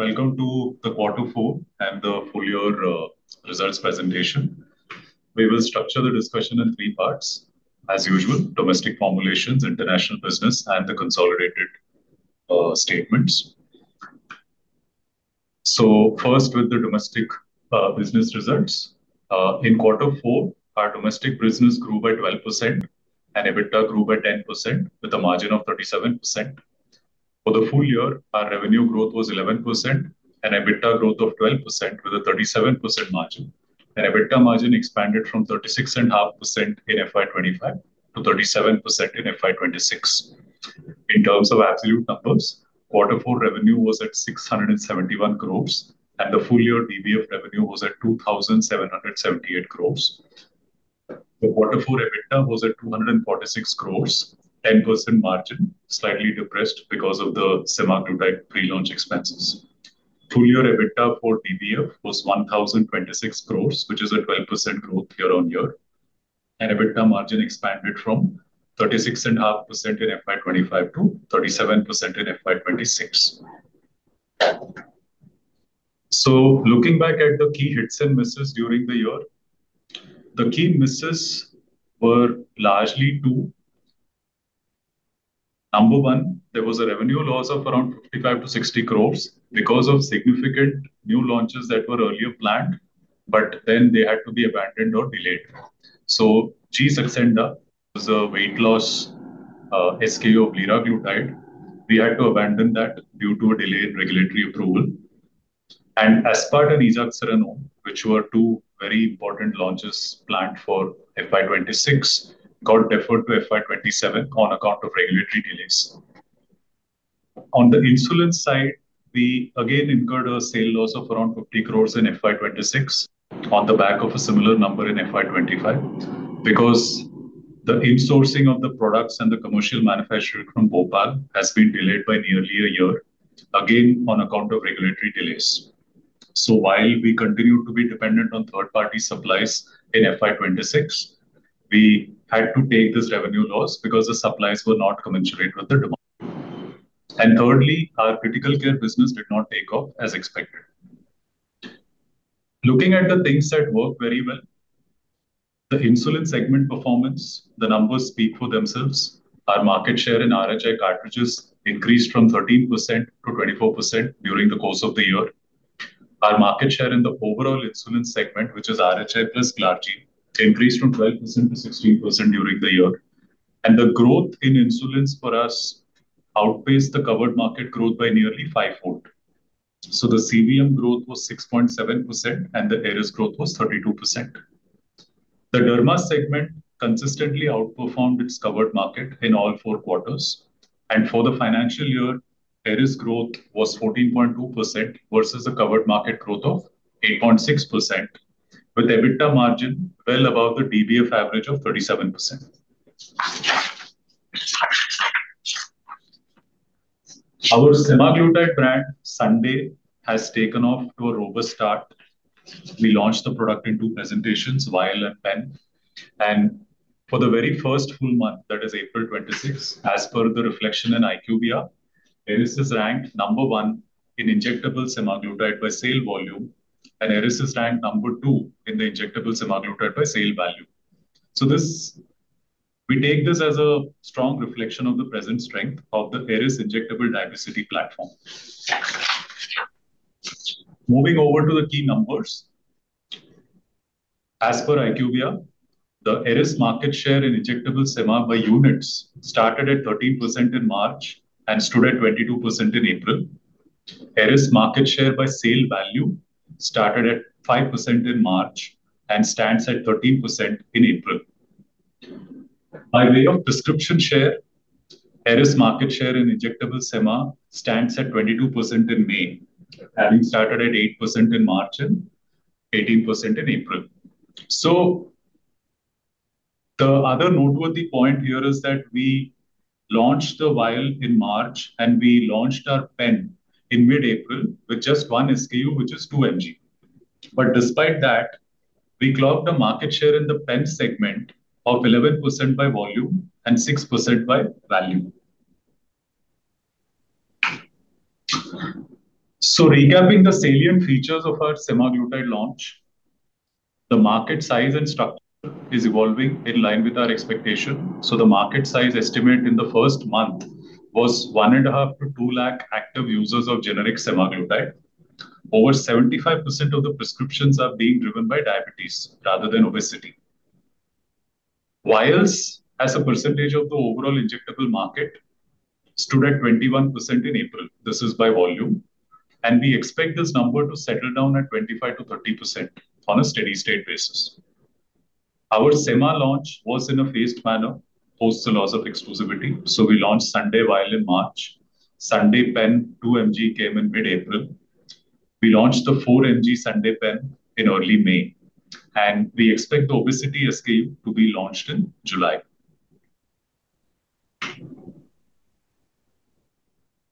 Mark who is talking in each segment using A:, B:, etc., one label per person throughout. A: Welcome to the quarter four and the full year results presentation. We will structure the discussion in three parts as usual: Domestic Formulations, International business, and the Consolidated statements. First with the Domestic business results. In quarter four, our Domestic business grew by 12% and EBITDA grew by 10% with a margin of 37%. For the full year, our revenue growth was 11% and EBITDA growth of 12% with a 37% margin. EBITDA margin expanded from 36.5% in FY 2025 to 37% in FY 2026. In terms of absolute numbers, quarter four revenue was at 671 crores, and the full year DBF revenue was at 2,778 crores. The quarter four EBITDA was at 246 crores, 10% margin, slightly depressed because of the semaglutide pre-launch expenses. Full year EBITDA for DBF was 1,026 crores, which is a 12% growth year-on-year. EBITDA margin expanded from 36.5% in FY 2025 to 37% in FY 2026. Looking back at the key hits and misses during the year. The key misses were largely two. Number one, there was a revenue loss of around 55 crores-60 crores because of significant new launches that were earlier planned, but then they had to be abandoned or delayed. Saxenda was a weight loss SKU of liraglutide. We had to abandon that due to a delayed regulatory approval. Aspart and esaxerenone, which were two very important launches planned for FY 2026, got deferred to FY 2027 on account of regulatory delays. On the insulin side, we again incurred a sale loss of around 50 crores in FY 2026 on the back of a similar number in FY 2025. Because the insourcing of the products and the commercial manufacture from Bhopal has been delayed by nearly a year, again, on account of regulatory delays. While we continue to be dependent on third-party supplies in FY 2026. We had to take this revenue loss because the supplies were not commensurate with the demand. Thirdly, our critical care business did not take off as expected. Looking at the things that worked very well, the insulin segment performance, the numbers speak for themselves. Our market share in RHI cartridges increased from 13%-24% during the course of the year. Our market share in the overall insulin segment, which is RHI + glargine, increased from 12%-16% during the year. The growth in insulins for us outpaced the covered market growth by nearly five-fold. The CVM growth was 6.7%, and the Eris growth was 32%. The Derma segment consistently outperformed its covered market in all four quarters. For the financial year, Eris growth was 14.2% versus the covered market growth of 8.6%, with EBITDA margin well above the DBF average of 37%. Our semaglutide brand, SUNDAE, has taken off to a robust start. We launched the product in two presentations, vial and pen. For the very first full month, that is April 26, as per the reflection in IQVIA, Eris is ranked number one in injectable semaglutide by sale volume, and Eris is ranked number two in the injectable semaglutide by sale value. We take this as a strong reflection of the present strength of the Eris injectable diversity platform. Moving over to the key numbers. As per IQVIA, the Eris market share in injectable semaglutide by units started at 13% in March and stood at 22% in April. Eris market share by sale value started at 5% in March and stands at 13% in April. By way of prescription share, Eris market share in injectable semaglutide stands at 22% in May, having started at 8% in March and 18% in April. The other noteworthy point here is that we launched the vial in March, and we launched our pen in mid-April with just one SKU, which is 2 mg. Despite that, we clocked a market share in the pen segment of 11% by volume and 6% by value. Recapping the salient features of our semaglutide launch. The market size and structure is evolving in line with our expectation. The market size estimate in the first month was 1.5 lakh-2 lakh active users of generic semaglutide. Over 75% of the prescriptions are being driven by diabetes rather than obesity. Vials, as a percentage of the overall injectable market, stood at 21% in April. This is by volume. We expect this number to settle down at 25%-30% on a steady-state basis. Our semaglutide launch was in a phased manner post the loss of exclusivity. We launched SUNDAE vial in March. SUNDAE pen 2 mg came in mid-April. We launched the 4 mg SUNDAE pen in early May. We expect obesity SKU to be launched in July.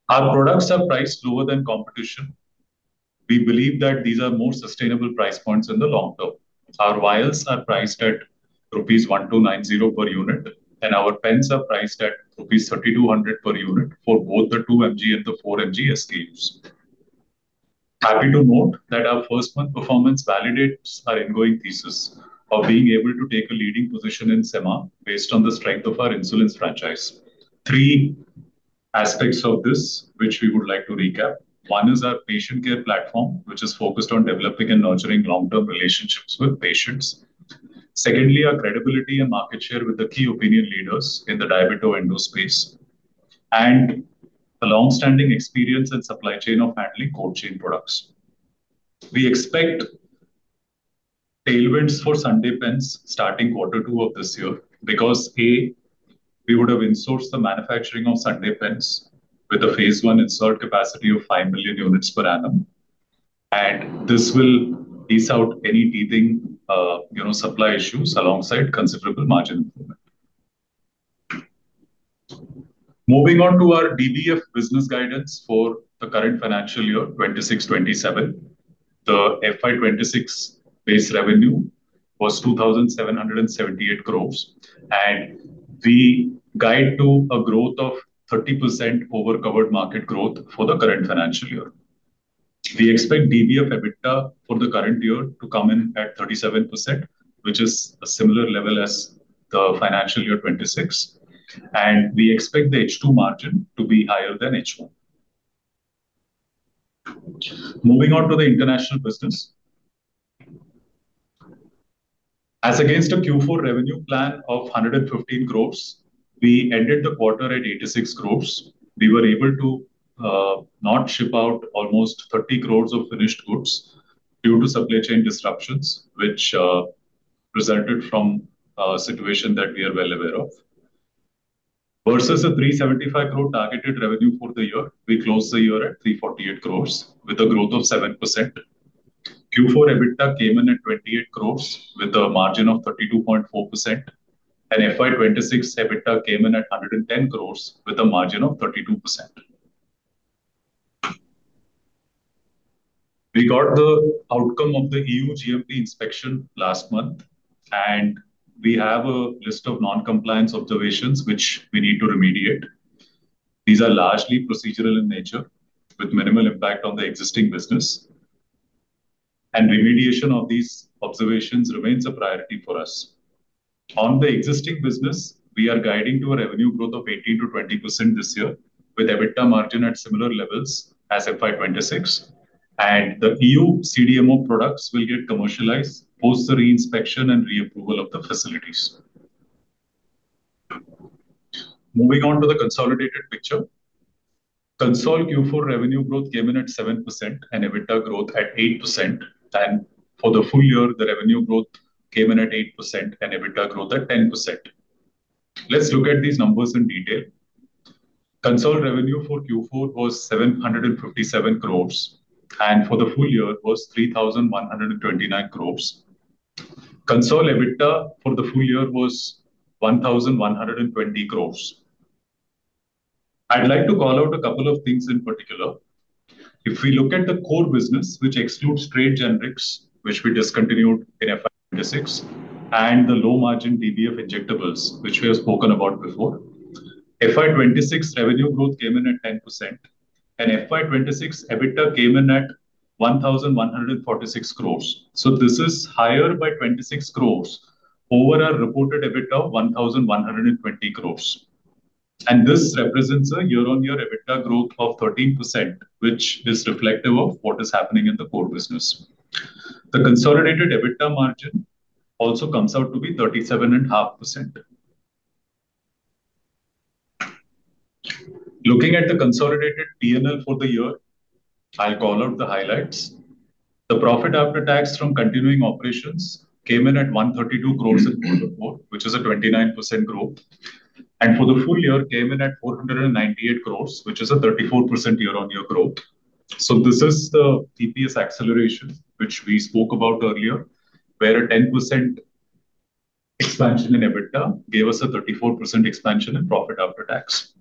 A: Our products are priced lower than competition. We believe that these are more sustainable price points in the long term. Our vials are priced at rupees 1,290 per unit, and our pens are priced at rupees 3,200 per unit for both the 2 mg and the 4 mg SKUs. Happy to note that our first month performance validates our ongoing thesis of being able to take a leading position in semaglutide based on the strength of our insulin franchise. Three aspects of this which we would like to recap. One is our patient care platform, which is focused on developing and nurturing long-term relationships with patients. Secondly, our credibility and market share with the key opinion leaders in the diabeto-endo space. The long-standing experience and supply chain of handling cold chain products. We expect tailwinds for SUNDAE pen starting Q2 of this year because, A, we would have insourced the manufacturing of SUNDAE pen with a phase I insert capacity of five million units per annum. This will ease out any teething, you know, supply issues alongside considerable margin improvement. Moving on to our DBF business guidance for the current financial year 2026/2027. The FY 2026 base revenue was 2,778 crores. We guide to a growth of 30% over covered market growth for the current financial year. We expect DBF EBITDA for the current year to come in at 37%, which is a similar level as the FY 2026. We expect the H2 margin to be higher than H1. Moving on to the International business. As against a Q4 revenue plan of 115 crores, we ended the quarter at 86 crores. We were able to not ship out almost 30 crores of finished goods due to supply chain disruptions which resulted from a situation that we are well aware of versus a 375 crore targeted revenue for the year, we closed the year at 348 crores with a growth of 7%. Q4 EBITDA came in at 28 crores with a margin of 32.4%. FY 2026 EBITDA came in at 110 crores with a margin of 32%. We got the outcome of the EU GMP inspection last month. We have a list of non-compliance observations which we need to remediate. These are largely procedural in nature, with minimal impact on the existing business. Remediation of these observations remains a priority for us. On the existing business, we are guiding to a revenue growth of 18%-20% this year, with EBITDA margin at similar levels as FY 2026. The EU CDMO products will get commercialized post the re-inspection and re-approval of the facilities. Moving on to the consolidated picture. Consol Q4 revenue growth came in at 7% and EBITDA growth at 8%. For the full year, the revenue growth came in at 8% and EBITDA growth at 10%. Let's look at these numbers in detail. Consol revenue for Q4 was 757 crores, and for the full year was 3,129 crores. Consol EBITDA for the full year was 1,120 crores. I'd like to call out a couple of things in particular. If we look at the core business, which excludes trade generics, which we discontinued in FY 2026, and the low-margin DBF injectables, which we have spoken about before, FY 2026 revenue growth came in at 10% and FY 2026 EBITDA came in at 1,146 crores. This is higher by 26 crores over a reported EBITDA of 1,120 crores. This represents a year-on-year EBITDA growth of 13%, which is reflective of what is happening in the core business. The consolidated EBITDA margin also comes out to be 37.5%. Looking at the consolidated P&L for the year, I'll call out the highlights. The Profit After Tax from continuing operations came in at 132 crores in Q4, which is a 29% growth. For the full year, came in at 498 crores, which is a 34% year-on-year growth. This is the EPS acceleration which we spoke about earlier, where a 10% expansion in EBITDA gave us a 34% expansion in Profit After Tax.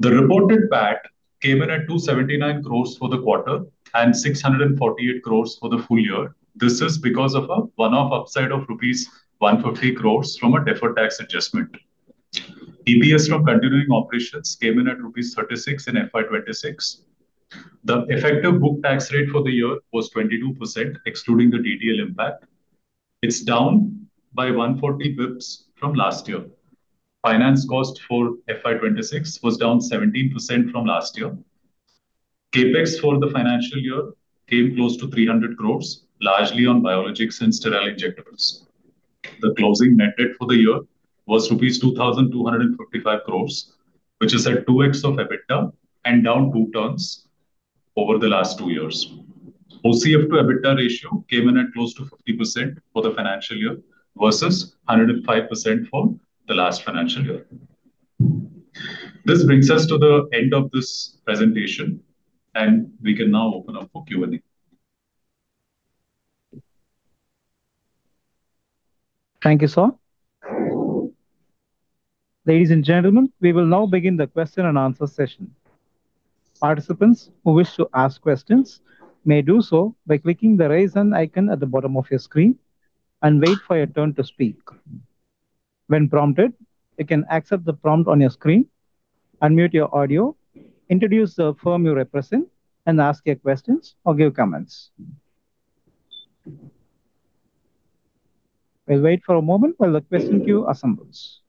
A: The reported PAT came in at 279 crores for the quarter and 648 crores for the full year. This is because of a one-off upside of rupees 150 crores from a deferred tax adjustment. EPS from continuing operations came in at rupees 36 in FY 2026. The effective book tax rate for the year was 22%, excluding the DTL impact. It's down by 140 bps from last year. Finance cost for FY 2026 was down 17% from last year. CapEx for the financial year came close to 300 crores, largely on biologics and sterile injectors. The closing net debt for the year was rupees 2,255 crores, which is at 2x of EBITDA and down two turns over the last two years. OCF to EBITDA ratio came in at close to 50% for the financial year versus 105% for the last financial year. This brings us to the end of this presentation, and we can now open up for Q&A.
B: Thank you, Sir. Ladies and gentlemen, we will now begin the question and answer session. Participants who wish to ask questions may do so by clicking the Raise Hand icon at the bottom of your screen and wait for your turn to speak. When prompted, you can accept the prompt on your screen, unmute your audio, introduce the firm you represent, and ask your questions or give comments. We will wait for a moment while the question queue assembles.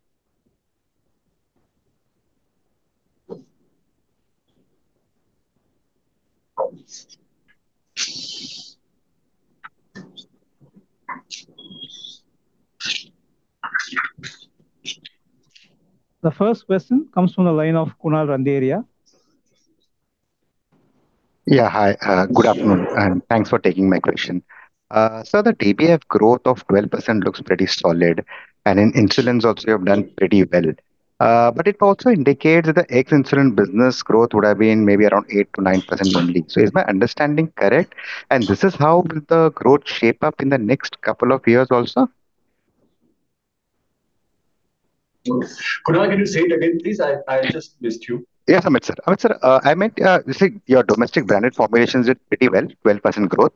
B: The first question comes from the line of [Kunal Randeria].
C: Yeah, hi. Good afternoon, and thanks for taking my question. Sir, the DBF growth of 12% looks pretty solid, and in insulin also you have done pretty well. It also indicates that the ex-insulin business growth would have been maybe around 8%-9% only. Is my understanding correct? This is how will the growth shape up in the next couple of years also?
D: Kunal, can you say it again, please? I just missed you.
C: Yeah, Amit, Sir. Amit Sir, I meant, you see your Domestic Branded Formulations did pretty well, 12% growth.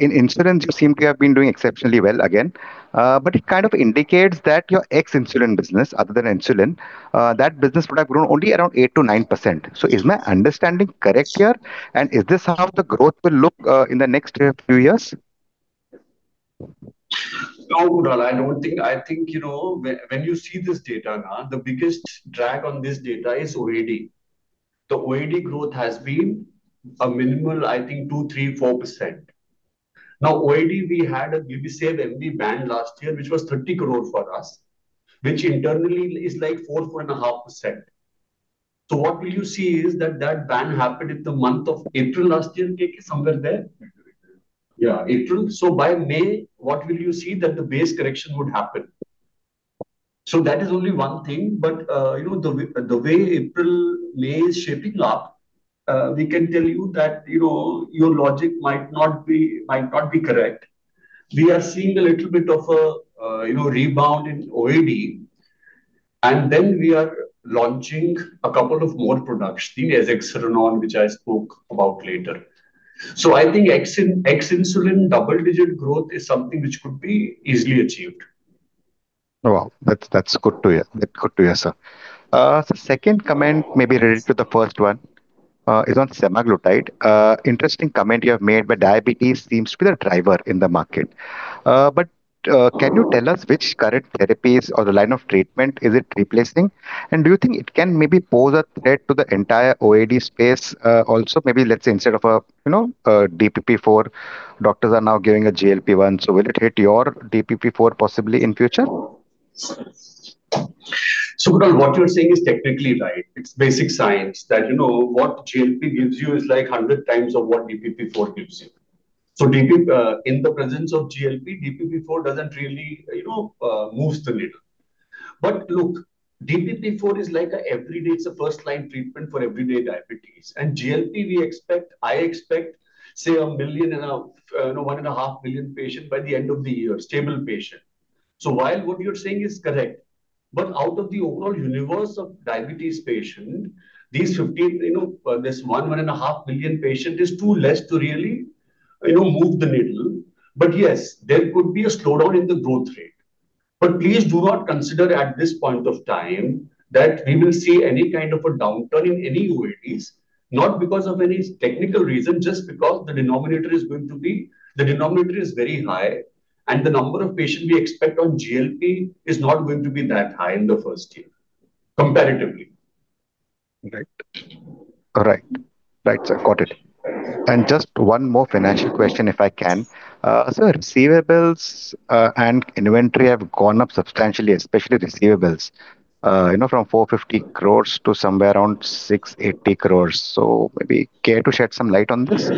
C: In insulin you seem to have been doing exceptionally well again. It kind of indicates that your ex-insulin business, other than insulin, that business would have grown only around 8%-9%. Is my understanding correct here? Is this how the growth will look in the next few years?
D: No, Kunal, I don't think. I think, you know, when you see this data, the biggest drag on this data is OAD. The OAD growth has been a minimal, I think, 2%, 3%, 4%. OAD, we had a Glimisave MV ban last year, which was 30 crore for us, which internally is like 4%, 4.5%. What will you see is that that ban happened in the month of April last year, KK, somewhere there? April. By May, what will you see that the base correction would happen. That is only one thing. You know, the way April, May is shaping up, we can tell you that, you know, your logic might not be, might not be correct. We are seeing a little bit of, you know, rebound in OAD, and then we are launching a couple of more products, the esaxerenone, which I spoke about later. I think insulin double digit growth is something which could be easily achieved.
C: Wow. That's good to hear. That's good to hear, Sir. Second comment maybe related to the first one is on semaglutide. Interesting comment you have made, diabetes seems to be the driver in the market. Can you tell us which current therapies or the line of treatment is it replacing? Do you think it can maybe pose a threat to the entire OAD space also? Maybe let's say instead of, you know, a DPP-4, doctors are now giving a GLP-1. Will it hit your DPP-4 possibly in future?
D: Kunal, what you're saying is technically right. It's basic science that, you know, what GLP gives you is like 100x of what DPP-4 gives you. In the presence of GLP, DPP-4 doesn't really, you know, moves the needle. Look, DPP-4 is like a everyday, it's a first-line treatment for everyday diabetes. GLP, we expect, I expect, say, 1.5 million patient by the end of the year, stable patient. While what you're saying is correct, but out of the overall universe of diabetes patient, this 1.5 million patient is too less to really, you know, move the needle. Yes, there could be a slowdown in the growth rate. Please do not consider at this point of time that we will see any kind of a downturn in any OADs, not because of any technical reason, just because the denominator is very high and the number of patient we expect on GLP is not going to be that high in the first year comparatively.
C: Right, Sir. Got it. Just one more financial question, if I can. Sir, receivables, and inventory have gone up substantially, especially receivables, you know, from 450 crores to somewhere around 680 crores. Maybe care to shed some light on this?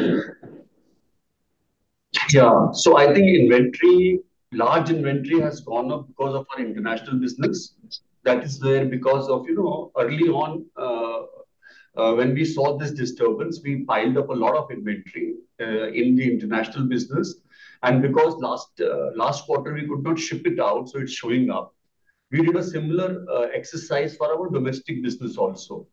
D: Yeah. I think inventory, large inventory has gone up because of our International business. That is where because of, you know, early on, when we saw this disturbance, we piled up a lot of inventory in the international business. Because last quarter we could not ship it out, so it's showing up. We did a similar exercise for our domestic business also.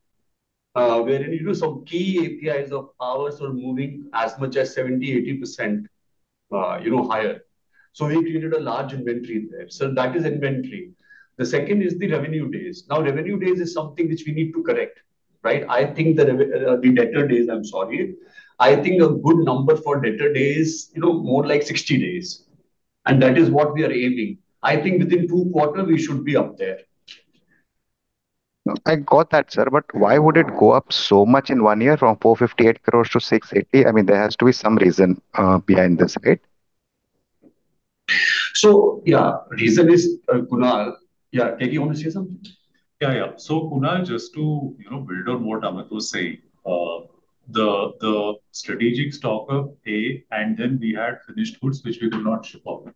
D: We are ready to do some key APIs of ours were moving as much as 70%, 80%, you know, higher. We created a large inventory there. That is inventory. The second is the revenue days. Revenue days is something which we need to correct, right? I think the debtor days, I'm sorry. I think a good number for debtor days, you know, more like 60 days. That is what we are aiming. I think within two quarter we should be up there.
C: I got that, Sir. Why would it go up so much in one year from 458 crores-680 crores? I mean, there has to be some reason behind this, right?
D: Yeah, reason is, Kunal. Yeah, KK, you want to say something?
A: Yeah. Kunal, just to, you know, build on what Amit was saying, the strategic stock of A and then we had finished goods which we could not ship off.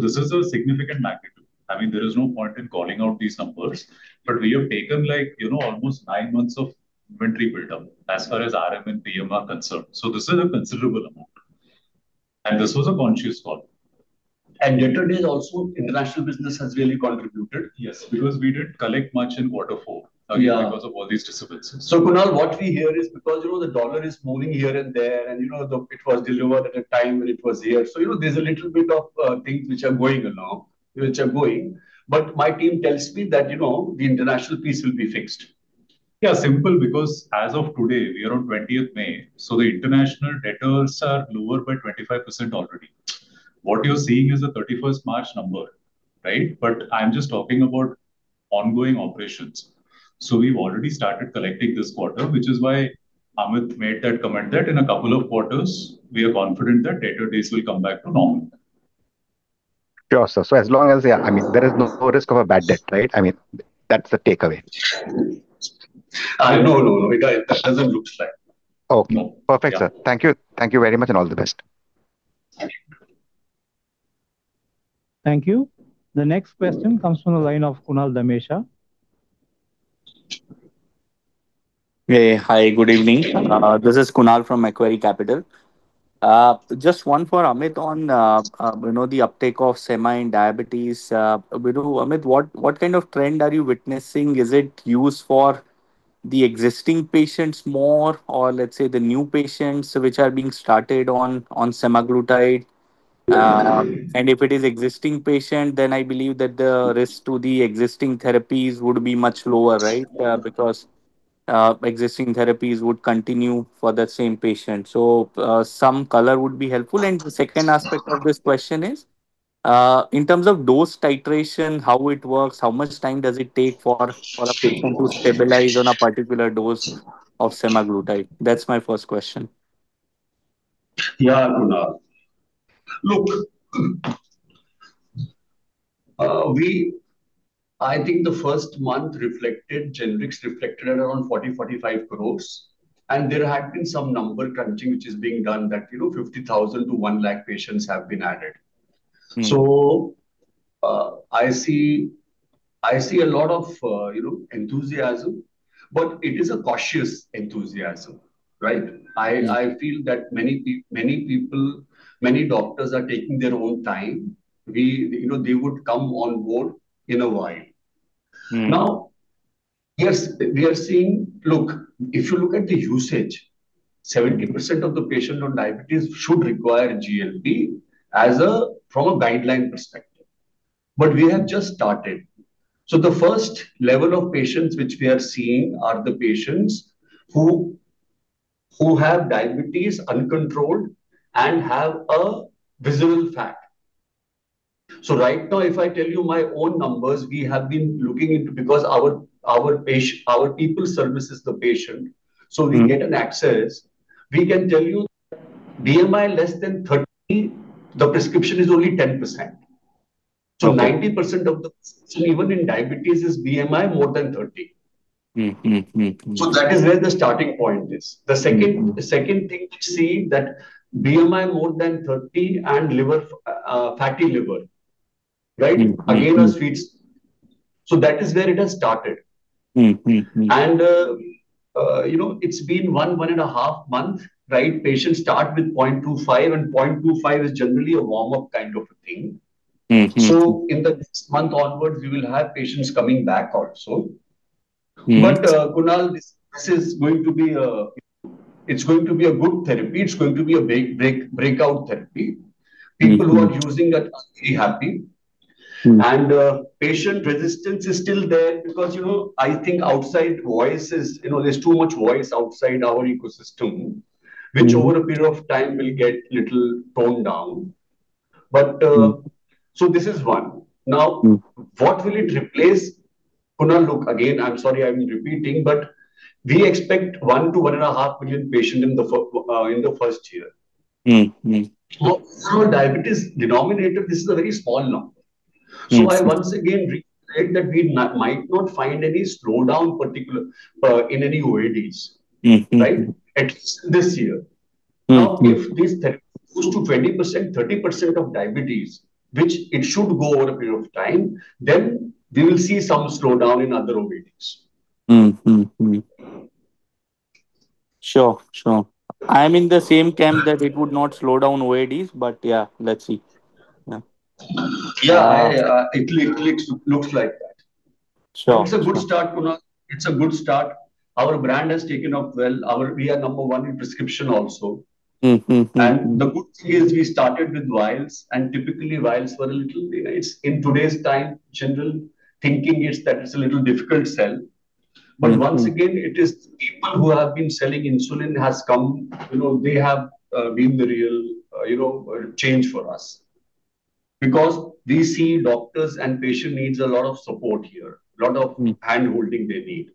A: This is a significant magnitude. I mean, there is no point in calling out these numbers, but we have taken like, you know, almost nine months of inventory build up as far as RM and PM are concerned. This is a considerable amount, and this was a conscious call.
D: Debtor days also International business has really contributed.
A: Yes. Because we didn't collect much in quarter four. Yeah because of all these disciplines.
D: Kunal, what we hear is because, you know, the dollar is moving here and there and, you know, it was delivered at a time when it was here. You know, there's a little bit of things which are going along, which are going, but my team tells me that, you know, the international piece will be fixed. Yeah.
A: As of today, we are on 20th May, the international debtors are lower by 25% already. What you're seeing is a 31st March number, right? I'm just talking about ongoing operations. We've already started collecting this quarter, which is why Amit made that comment that in a couple of quarters we are confident that debtor days will come back to normal.
C: Sure, Sir. As long as I mean, there is no risk of a bad debt, right? I mean, that's the takeaway.
A: No, no. Because that doesn't look like.
C: Oh, perfect, sir. Thank you. Thank you very much, and all the best.
B: Thank you. The next question comes from the line of Kunal Dhamesha.
E: Hey. Hi, good evening. This is Kunal from Macquarie Capital. Just one for Amit on, you know, the uptake of semaglutide and diabetes. You know, Amit, what kind of trend are you witnessing? Is it used for the existing patients more or let's say the new patients which are being started on semaglutide? If it is existing patient, then I believe that the risk to the existing therapies would be much lower, right? Because existing therapies would continue for the same patient. Some color would be helpful. The second aspect of this question is, in terms of dose titration, how it works, how much time does it take for a patient to stabilize on a particular dose of semaglutide? That's my first question.
D: Yeah, Kunal. Look, I think the first month reflected, generics reflected at around 40 crore-45 crore. There had been some number crunching which is being done that, you know, 50,000 to one lakh patients have been added. I see a lot of, you know, enthusiasm, but it is a cautious enthusiasm, right? I feel that many people, many doctors are taking their own time. You know, they would come on board in a while. Yes, we are seeing, if you look at the usage, 70% of the patient on diabetes should require GLP as from a guideline perspective. We have just started. The first level of patients which we are seeing are the patients who have diabetes uncontrolled and have a visible fat. Right now, if I tell you my own numbers, we have been looking into because our people services the patient. We get an access. We can tell you BMI less than 30, the prescription is only 10%.
E: Okay.
D: 90% of the even in diabetes is BMI more than 30. That is where the starting point is. The second thing we see that BMI more than 30 and liver, fatty liver, right? Again, [as feeds]. That is where it has started. You know, it's been one and a half month, right. Patients start with 0.25 mg, and 0.25 mg is generally a warm-up kind of a thing. In the next month onwards we will have patients coming back also. Kunal, this is going to be, it's going to be a good therapy. It's going to be a breakout therapy. People who are using it are very happy. Patient resistance is still there because, you know, there's too much voice outside our ecosystem. Which over a period of time will get little toned down. This is one. What will it replace? Kunal, look, again, I'm sorry I'm repeating, but we expect 1 million patient-1.5 million patient in the first year. Our diabetes denominator, this is a very small number. I once again reiterate that we might not find any slowdown particular in any OADs. Right? At least this year. If this therapy goes to 20%-30% of diabetes, which it should go over a period of time, then we will see some slowdown in other OADs.
E: Sure. I am in the same camp that it would not slow down OADs, but yeah, let's see. Yeah.
D: Yeah. It looks like that.
E: Sure.
D: It's a good start, Kunal. It's a good start. Our brand has taken off well. We are number one in prescription also. The good thing is we started with vials, and typically vials were a little, in today's time, general thinking is that it's a little difficult sell. Once again, it is people who have been selling insulin has come. You know, they have been the real, you know, change for us. We see doctors and patient needs a lot of support here. Hand-holding they need.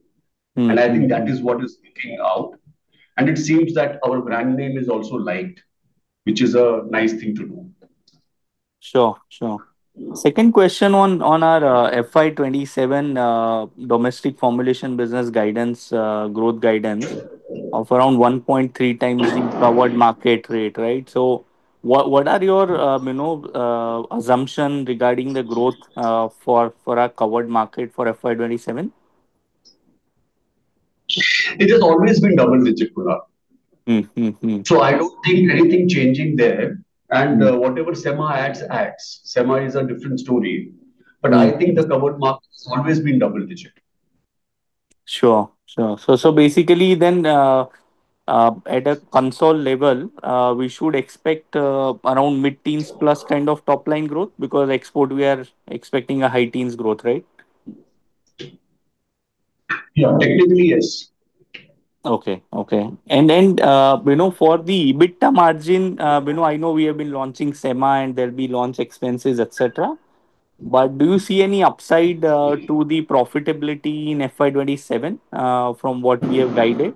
D: I think that is what is sticking out. It seems that our brand name is also liked, which is a nice thing to know.
E: Sure. Second question on our FY 2027 Domestic Formulation business guidance, growth guidance of around 1.3x in covered market rate, right? What are your, you know, assumption regarding the growth for our covered market for FY 2027?
D: It has always been double digit, Kunal. I don't think anything changing there. Whatever semaglutide adds. Semaglutide is a different story. I think the covered market has always been double digit.
E: Sure. Basically then, at a console level, we should expect around mid-teens plus kind of top-line growth because export we are expecting a high teens growth, right?
D: Yeah. Technically, yes.
E: Okay. Then, you know, for the EBITDA margin, you know, I know we have been launching semaglutide and there'll be launch expenses, et cetera. Do you see any upside to the profitability in FY 2027, from what we have guided?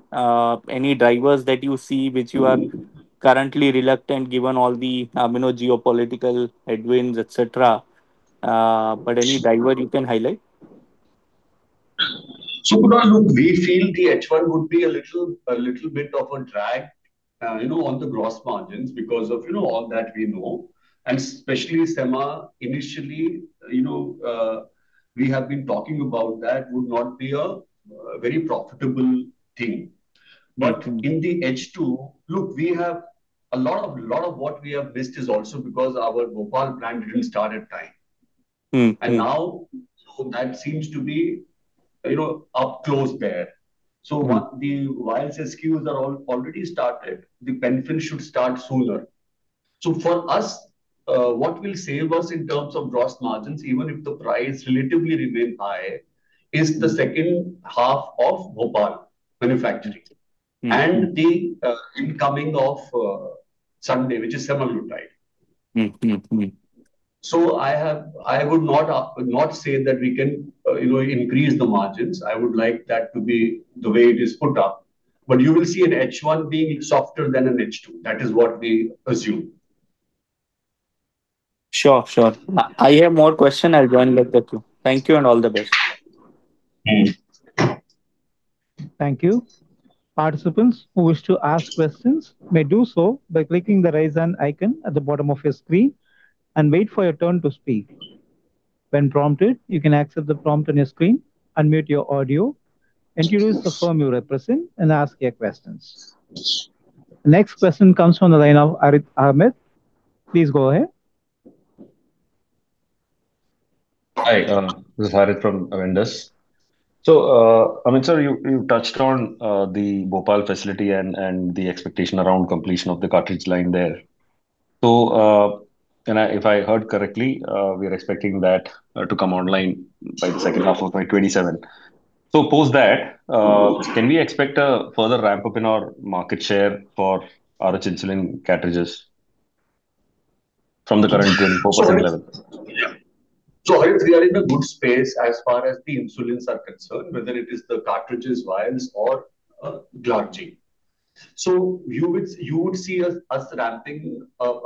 E: Any drivers that you see which you are currently reluctant given all the, you know, geopolitical headwinds, et cetera. Any driver you can highlight?
D: Kunal, look, we feel the H1 would be a little bit of a drag, you know, on the gross margins because of, you know, all that we know. Especially semaglutide initially, you know, we have been talking about that would not be a very profitable thing. In the H2 Look, we have a lot of what we have missed is also because our Bhopal plant didn't start at time. Now that seems to be, you know, up close there. The SKUs are all already started, the benefit should start sooner. For us, what will save us in terms of gross margins, even if the price relatively remain high, is the second half of Bhopal manufacturing. The incoming of SUNDAE, which is semaglutide. I would not say that we can, you know, increase the margins. I would like that to be the way it is put up. You will see an H1 being softer than an H2. That is what we assume.
E: Sure. I have more question. I'll join back with you. Thank you and all the best.
B: Thank you. Participants who wish to ask questions may do so by clicking the Raise Hand icon at the bottom of your screen and wait for your turn to speak. When prompted, you can accept the prompt on your screen, unmute your audio, introduce the firm you represent, and ask your questions. Next question comes from the line of Harith Ahamed. Please go ahead.
F: Hi, this is Harith from Avendus. Amit, Sir, you touched on the Bhopal facility and the expectation around completion of the cartridge line there. If I heard correctly, we are expecting that to come online by the second half of 2027. Post that, can we expect a further ramp-up in our market share for RH Insulin cartridges from the current 10.4%?
D: Harith, we are in a good space as far as the insulins are concerned, whether it is the cartridges, vials, or glargine. You would see us ramping up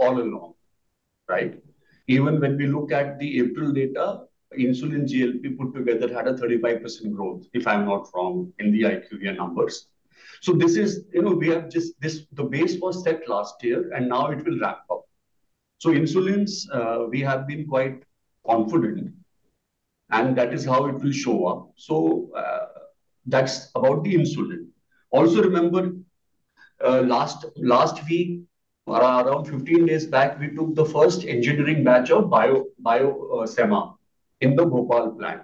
D: all along, right? Even when we look at the April data, insulin GLP put together had a 35% growth, if I'm not wrong, in the IQVIA numbers. You know, the base was set last year, and now it will ramp up. Insulins, we have been quite confident, and that is how it will show up. That's about the insulin. Also remember, last week, around 15 days back, we took the first engineering batch of bio semaglutide in the Bhopal plant.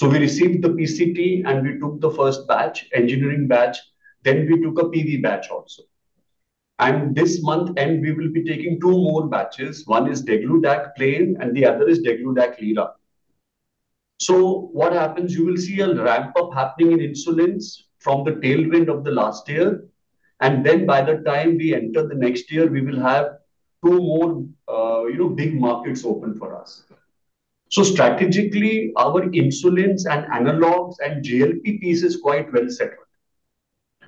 D: We received the PCT and we took the first batch, engineering batch. Then we took a PV batch also. This month end, we will be taking two more batches. One is degludec plain and the other is degludec lira. What happens, you will see a ramp-up happening in insulins from the tailwind of the last year, and then by the time we enter the next year, we will have two more, you know, big markets open for us. Strategically, our insulins and analogs and GLP piece is quite well settled,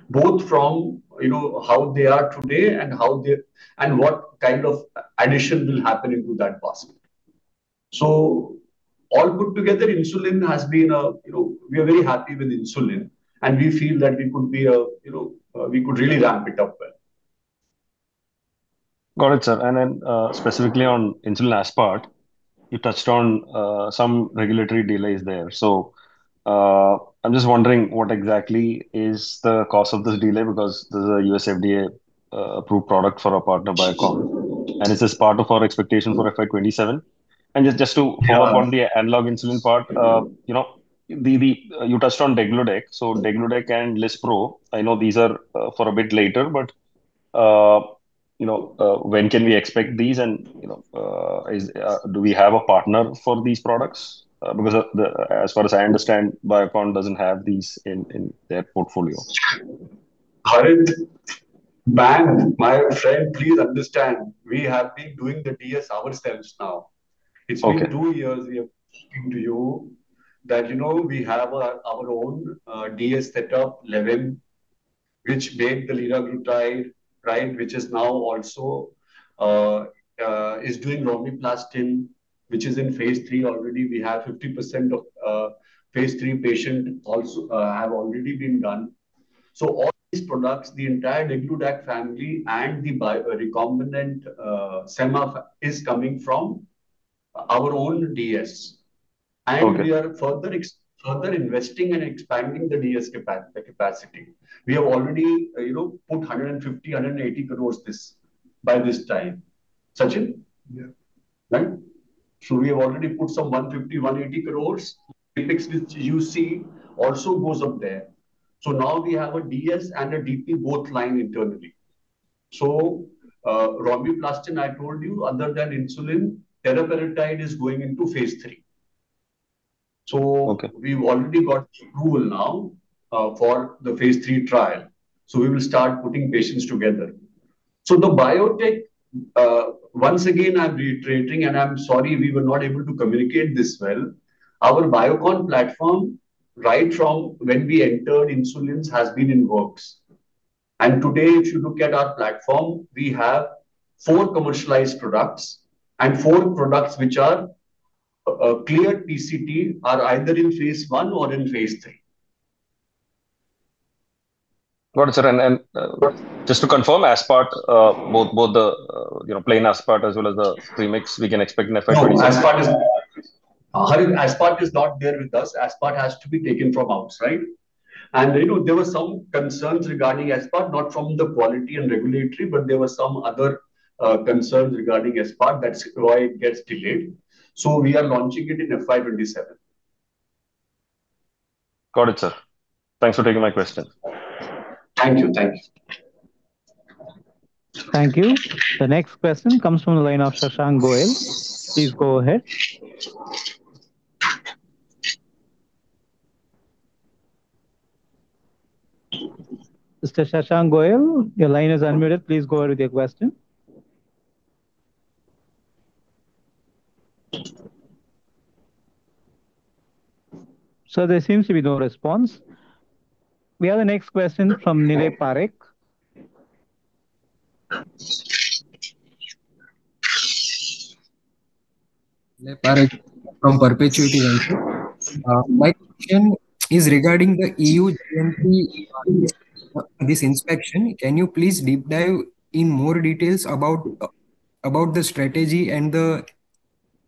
D: both from, you know, how they are today and how they and what kind of addition will happen into that basket. All put together, insulin has been, you know, we are very happy with insulin, and we feel that we could be, you know, we could really ramp it up well.
F: Got it, sir. Specifically on insulin aspart, you touched on some regulatory delays there. I'm just wondering what exactly is the cause of this delay, because this is a U.S. FDA approved product for our partner Biocon. Is this part of our expectation for FY 2027?
D: Yeah.
F: On the analog insulin part, you know, you touched on degludec. Degludec and lispro, I know these are for a bit later, but you know, do we have a partner for these products? Because as far as I understand, Biocon doesn't have these in their portfolio.
D: Harith, man, my friend, please understand. We have been doing the DS ourselves now.
F: Okay.
D: It's been two years we have been telling to you that, you know, we have our own DS setup level, which made the liraglutide, right? Which is now also is doing romiplostim, which is in phase III already. We have 50% of phase III patient also have already been done. All these products, the entire degludec family and the recombinant semaglutide is coming from our own DS.
F: Okay.
D: We are further investing and expanding the DS capacity. We have already, you know, put 150 crore-180 crores this, by this time. Sachin?
G: Yeah.
D: Right? We have already put some 150 crores-180 crores. Premix which you see also goes up there. Now we have a DS and a DP both line internally. So romiplostim, I told you, other than insulin, teriparatide is going into phase III.
F: Okay.
D: We've already got approval now for the phase III trial. We will start putting patients together. The biotech, once again, I'm reiterating, and I'm sorry we were not able to communicate this well. Our Biocon platform, right from when we entered insulins has been in works. Today, if you look at our platform, we have four commercialized products and four products which are clear PCT are either in phase I or in phase III.
F: Got it, sir. Just to confirm, aspart, both the, you know, plain aspart as well as the premixed, we can expect in FY 2027.
D: No, aspart is Harith, aspart is not there with us. Aspart has to be taken from out, right? You know there were some concerns regarding aspart, not from the quality and regulatory, but there were some other concerns regarding aspart. That's why it gets delayed. We are launching it in FY 2027.
F: Got it, sir. Thanks for taking my question.
D: Thank you.
B: Thank you. The next question comes from the line of [Shashank Goel]. Please go ahead. Mr. Shashank Goel, your line is unmuted. Please go ahead with your question. Sir, there seems to be no response. We have the next question from Nilay Parekh.
H: Nilay Parekh from Perpetuity Ventures. My question is regarding the EU GMP, this inspection. Can you please deep dive in more details about the strategy and the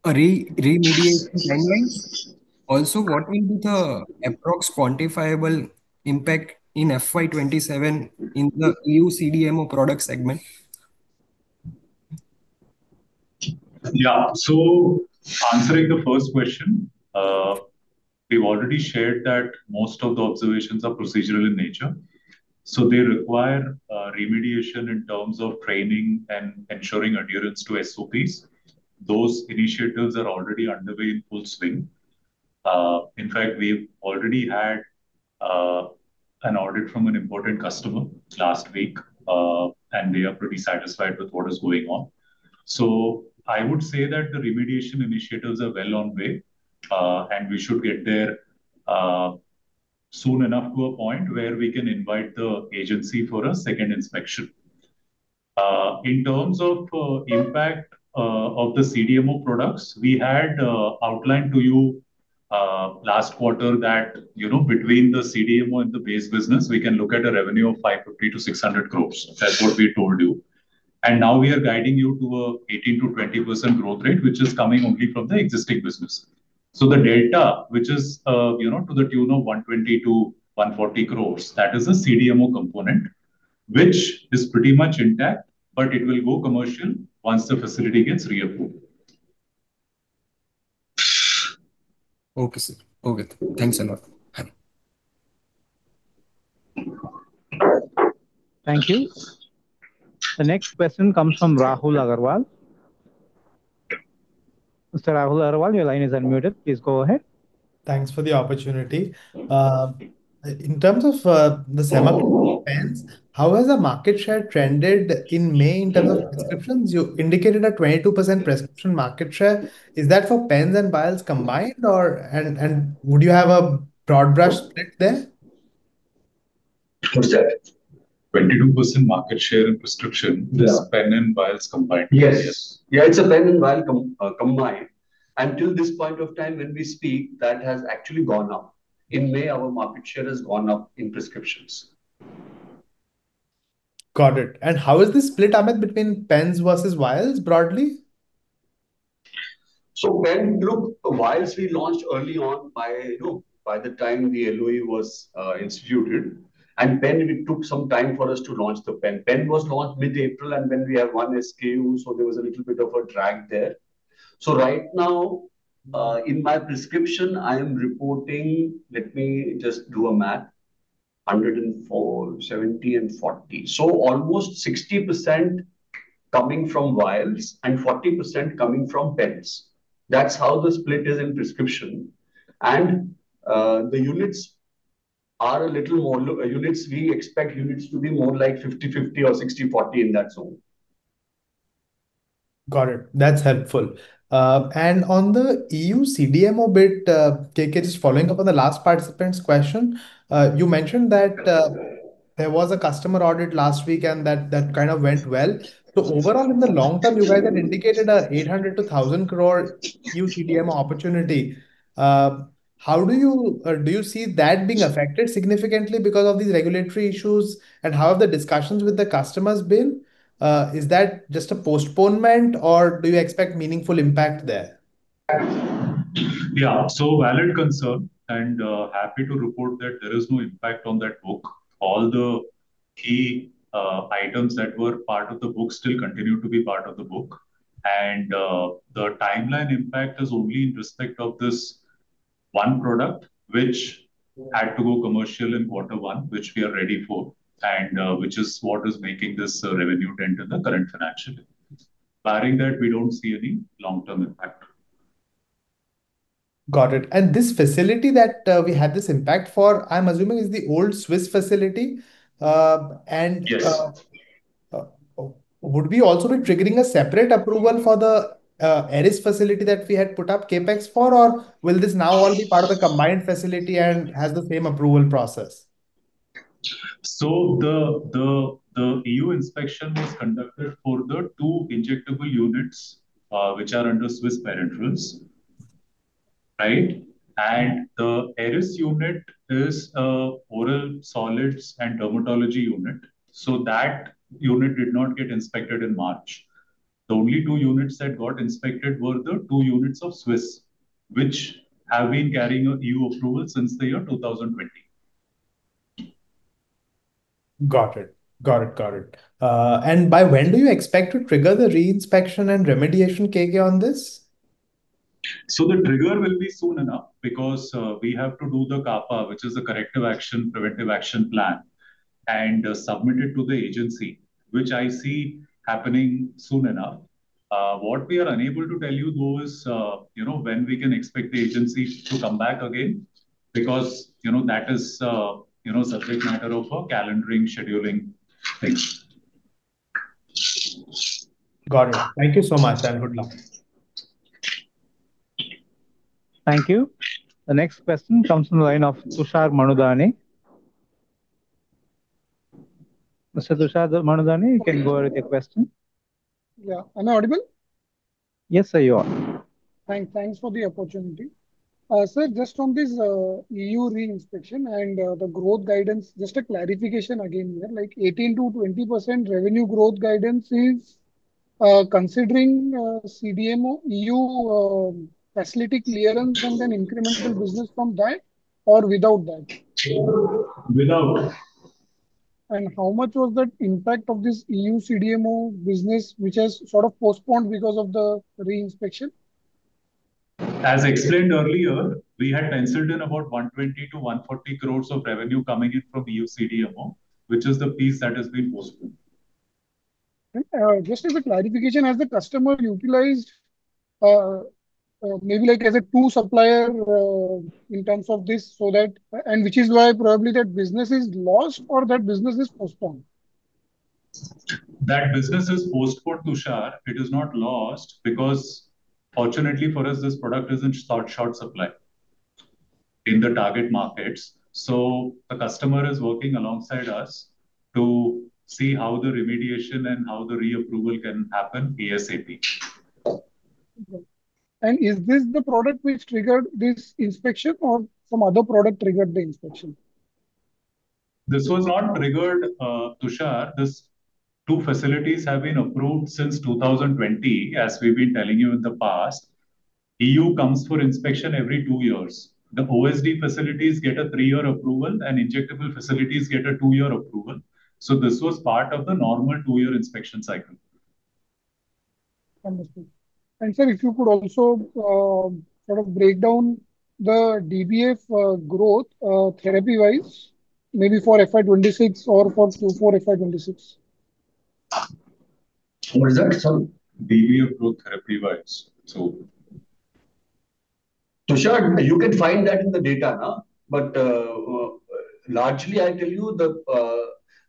H: remediation timeline? Also, what will be the approx quantifiable impact in FY 2027 in the EU CDMO product segment?
A: Yeah. Answering the first question, we've already shared that most of the observations are procedural in nature, so they require remediation in terms of training and ensuring adherence to SOPs. Those initiatives are already underway in full swing. In fact, we've already had an audit from an important customer last week, and they are pretty satisfied with what is going on. I would say that the remediation initiatives are well on way, and we should get there soon enough to a point where we can invite the agency for a second inspection. In terms of impact of the CDMO products, we had outlined to you know, last quarter that between the CDMO and the base business, we can look at a revenue of 550 crores-600 crores. That's what we told you. Now we are guiding you to a 18%-20% growth rate, which is coming only from the existing business. The data which is, you know, to the tune of 120 crores-140 crores, that is the CDMO component, which is pretty much intact, but it will go commercial once the facility gets reapproved.
H: Okay, sir. Okay. Thanks a lot.
B: Thank you. The next question comes from [Rahul Agarwal]. Mr. Rahul Agarwal, your line is unmuted. Please go ahead.
I: Thanks for the opportunity. In terms of the semaglutide pens. How has the market share trended in May in terms of prescriptions? You indicated a 22% prescription market share. Is that for pens and vials combined or would you have a broad brush split there?
D: What's that?
A: 22% market share in prescription.
D: Yeah.
A: This pen and vials combined. Yes
D: Yes. It's a pen and vial combined. Until this point of time when we speak, that has actually gone up. In May, our market share has gone up in prescriptions.
I: Got it. How is the split, Amit, between pens versus vials broadly?
D: Pen, look, vials we launched early on by, you know, by the time the LOE was instituted. Pen, it took some time for us to launch the pen. Pen was launched mid-April. We have one SKU, so there was a little bit of a drag there. Right now, in my prescription, I am reporting. Let me just do a math. 104, 70%, and 40%. Almost 60% coming from vials and 40% coming from pens. That's how the split is in prescription. The units are a little more units, we expect units to be more like 50/50 or 60/40, in that zone.
I: Got it. That's helpful. On the EU CDMO bit, KK, just following up on the last participant's question. You mentioned that there was a customer audit last week and that went well. Overall, in the long term, you guys had indicated a 800 crore-1,000 crore EU CDMO opportunity. How do you see that being affected significantly because of these regulatory issues? How have the discussions with the customers been? Is that just a postponement or do you expect meaningful impact there?
A: Yeah. Valid concern, and happy to report that there is no impact on that book. All the key items that were part of the book still continue to be part of the book. The timeline impact is only in respect of this one product which had to go commercial in quarter one, which we are ready for, and which is what is making this revenue dent in the current financial year. Barring that, we don't see any long-term impact.
I: Got it. This facility that we had this impact for, I'm assuming is the old Swiss facility?
A: Yes.
I: Would we also be triggering a separate approval for the Eris facility that we had put up CapEx for? Or will this now all be part of the combined facility and has the same approval process?
A: The EU inspection was conducted for the two injectable units, which are under Swiss Parenterals, right? The Eris unit is oral solids and dermatology unit. That unit did not get inspected in March. The only two units that got inspected were the two units of Swiss, which have been carrying a EU approval since the year 2020.
I: Got it. By when do you expect to trigger the re-inspection and remediation KK on this?
A: The trigger will be soon enough because we have to do the CAPA, which is the Corrective Action and Preventive Action plan, and submit it to the agency, which I see happening soon enough. What we are unable to tell you, though, is, you know, when we can expect the agency to come back again, because, you know, that is, you know, subject matter of a calendaring scheduling thing.
I: Got it. Thank you so much and good luck.
B: Thank you. The next question comes from the line of [Tushar Manudhane]. Mr. Tushar Manudhane, you can go ahead with your question.
J: Yeah. Am I audible?
B: Yes, sir, you are.
J: Thanks for the opportunity. Sir, just on this EU re-inspection and the growth guidance, just a clarification again here, like 18%-20% revenue growth guidance is considering CDMO EU facility clearance and an incremental business from that or without that?
A: Without.
J: How much was that impact of this EU CDMO business, which has sort of postponed because of the re-inspection?
A: As explained earlier, we had penciled in about 120 crores-140 crores of revenue coming in from EU CDMO, which is the piece that has been postponed.
J: Just a bit clarification, has the customer utilized, maybe like as a two supplier, in terms of this so that which is why probably that business is lost or that business is postponed?
A: That business is postponed, Tushar. It is not lost because fortunately for us this product is in short supply in the target markets. The customer is working alongside us to see how the remediation and how the re-approval can happen ASAP.
J: Okay. Is this the product which triggered this inspection or some other product triggered the inspection?
A: This was not triggered, Tushar. This two facilities have been approved since 2020, as we've been telling you in the past. EU comes for inspection every two years. The OSD facilities get a three-year approval, and injectable facilities get a two-year approval. This was part of the normal two-year inspection cycle.
J: Understood. Sir, if you could also sort of break down the DBF growth therapy-wise, maybe for FY 2026 or for FY 2026?
D: What is that, sir?
A: DBF growth therapy-wise.
D: Tushar, you can find that in the data now. Largely, I tell you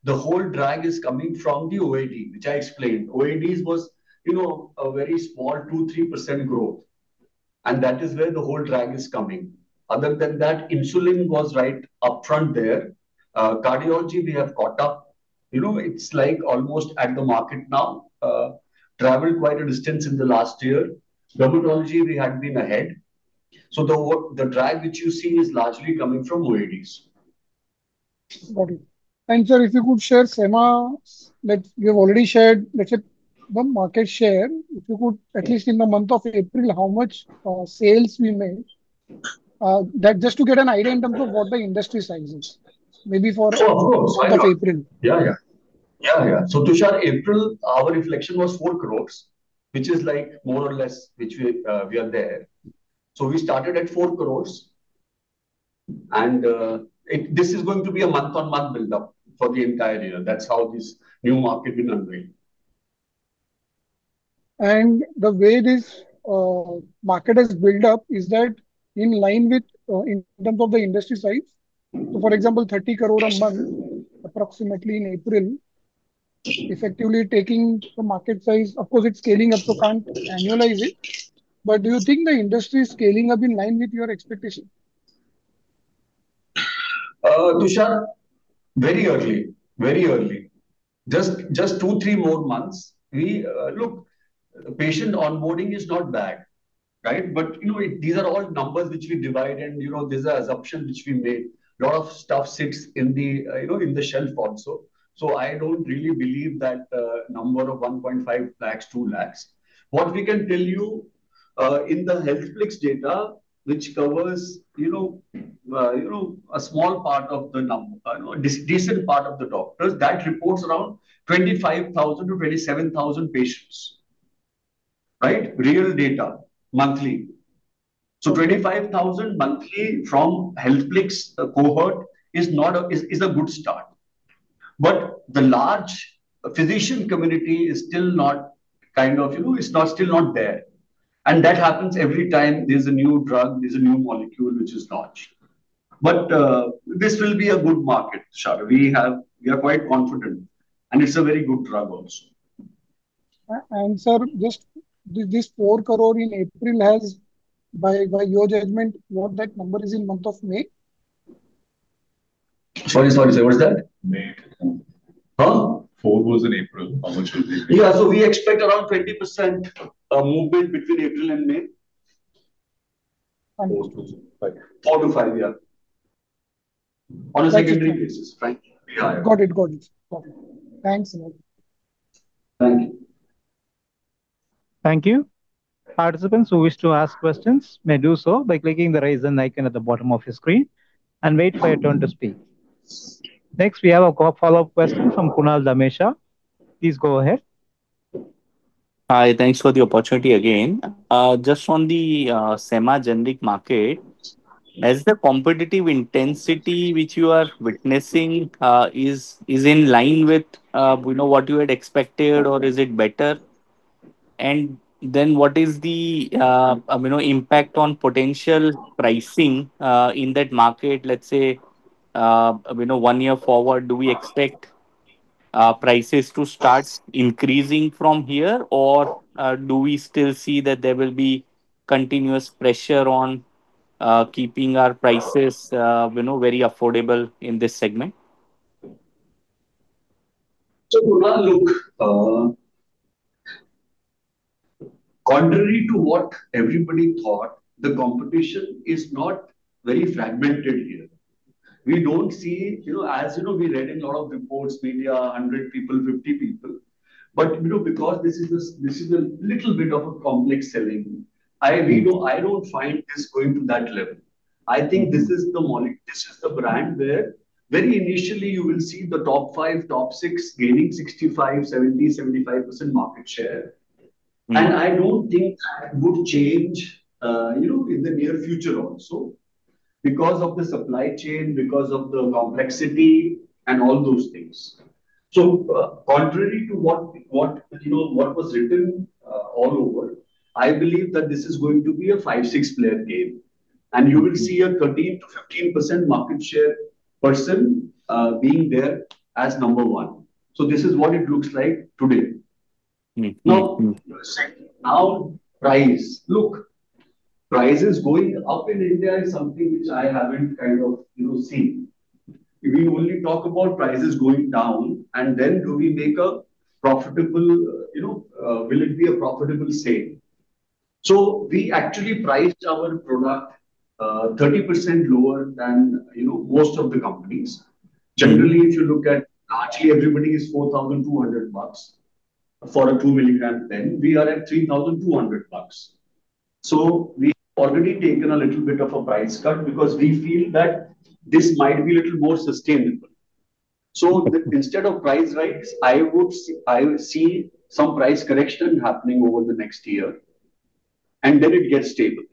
D: the whole drag is coming from the OAD, which I explained. OADs was, you know, a very small 2%, 3% growth, that is where the whole drag is coming. Other than that, insulin was right upfront there. Cardiology, we have caught up. You know, it's like almost at the market now. Traveled quite a distance in the last year. Dermatology, we had been ahead. The drag which you see is largely coming from OADs.
J: Got it. Sir, if you could share semaglutide, like we have already shared, let's say the market share. If you could at least in the month of April, how much sales we made, that just to get an idea in terms of what the industry size is?
D: Oh, of course.
J: April?
D: Yeah. Tushar, April, our inflection was 4 crores, which is like more or less which we are there. We started at 4 crores and this is going to be a month-on-month build-up for the entire year. That's how this new market will unravel.
J: The way this market has built up is that in line with in terms of the industry size? For example, 30 crore a month approximately in April, effectively taking the market size. Of course, it's scaling up, so can't annualize it. Do you think the industry is scaling up in line with your expectation?
D: Tushar, very early. Very early. Just two, three more months. We look, patient onboarding is not bad, right? You know, these are all numbers which we divide and, you know, these are assumptions which we made. A lot of stuff sits in the, you know, in the shelf also. I don't really believe that, number of 1.5 lakh-2 lakh. What we can tell you, in the HealthPlix data, which covers, you know, a small part of the decent part of the doctors, that reports around 25,000 patients-27,000 patients, right? Real data, monthly. 25,000 monthly from HealthPlix cohort is not a, is a good start. The large physician community is still not kind of, you know, it's not, still not there. That happens every time there's a new drug, there's a new molecule which is launched. This will be a good market, Tushar. We are quite confident, and it's a very good drug also.
J: Sir, just this 4 crore in April has, by your judgment, what that number is in month of May?
D: Sorry, sir. What's that?
A: May.
D: Huh?
A: Four was in April, how much was in May?
D: Yeah. We expect around 20% movement between April and May.
J: Four to five.
D: Four to five, yeah. On a secondary basis, right?
J: Got it. Thanks a lot.
D: Thank you.
B: Thank you. Participants who wish to ask questions may do so by clicking the Raise Hand icon at the bottom of your screen and wait for your turn to speak. Next, we have a follow-up question from Kunal Dhamesha. Please go ahead.
E: Hi. Thanks for the opportunity again. Just on the semaglutide-generic market, has the competitive intensity which you are witnessing, is in line with, you know, what you had expected or is it better? What is the, you know, impact on potential pricing in that market, let's say, you know, one year forward? Do we expect prices to start increasing from here? Do we still see that there will be continuous pressure on keeping our prices, you know, very affordable in this segment?
D: Kunal, look, contrary to what everybody thought, the competition is not very fragmented here. We don't see, you know, as, you know, we read in a lot of reports, media, 100 people, 50 people. You know, because this is a little bit of a complex selling, I, you know, I don't find this going to that level. I think this is the brand where very initially you will see the top five, top six gaining 65%, 70%, 75% market share. I don't think that would change, you know, in the near future also because of the supply chain, because of the complexity and all those things. Contrary to what, you know, what was written, all over, I believe that this is going to be a five, six player game, and you will see a 13%-15% market share person, being there as number one. This is what it looks like today. Now, price. Look, prices going up in India is something which I haven't kind of, you know, seen. We only talk about prices going down, and then do we make a profitable, you know, will it be a profitable sale? We actually priced our product 30% lower than, you know, most of the companies. Generally, if you look at largely everybody is INR 4,200 crores for a 2 mg pen. We are at INR 3,200 crores. We've already taken a little bit of a price cut because we feel that this might be a little more sustainable. Instead of price rise, I will see some price correction happening over the next year, and then it gets stable.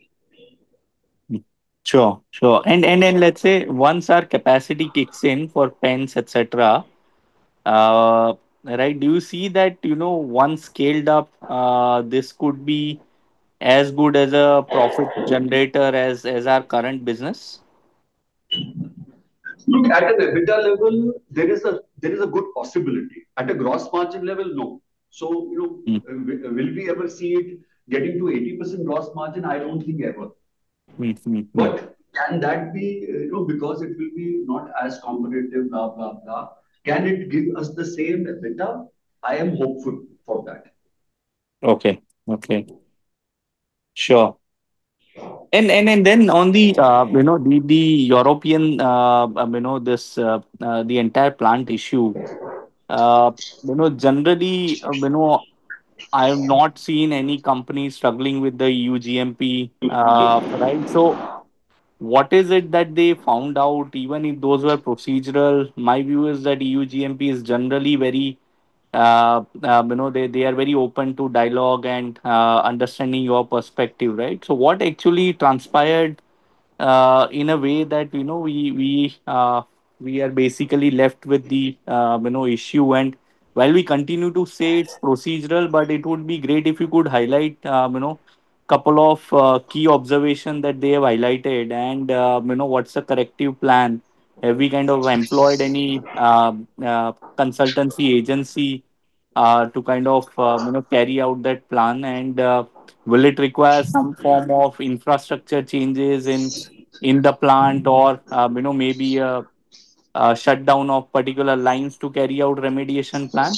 E: Sure. Then, let's say once our capacity kicks in for pens, et cetera, right, do you see that, you know, once scaled up, this could be as good as a profit generator as our current business?
D: Look, at a EBITDA level, there is a good possibility. At a gross margin level, no. Will we ever see it getting to 80% gross margin? I don't think ever.
E: Amit.
D: Can that be, you know, because it will be not as competitive, blah, blah. Can it give us the same EBITDA? I am hopeful for that.
E: Okay. Sure. Then on the, you know, the European, you know, this, the entire plant issue. You know, generally, you know, I have not seen any company struggling with the EU GMP, right? What is it that they found out, even if those were procedural? My view is that EU GMP is generally very, you know, they are very open to dialogue and, understanding your perspective, right? What actually transpired in a way that, you know, we are basically left with the, you know, issue. While we continue to say it's procedural, but it would be great if you could highlight, you know, couple of key observation that they have highlighted and, you know, what's the corrective plan. Have we kind of employed any consultancy agency to kind of, you know, carry out that plan. Will it require some form of infrastructure changes in the plant or, you know, maybe a shutdown of particular lines to carry out remediation plan?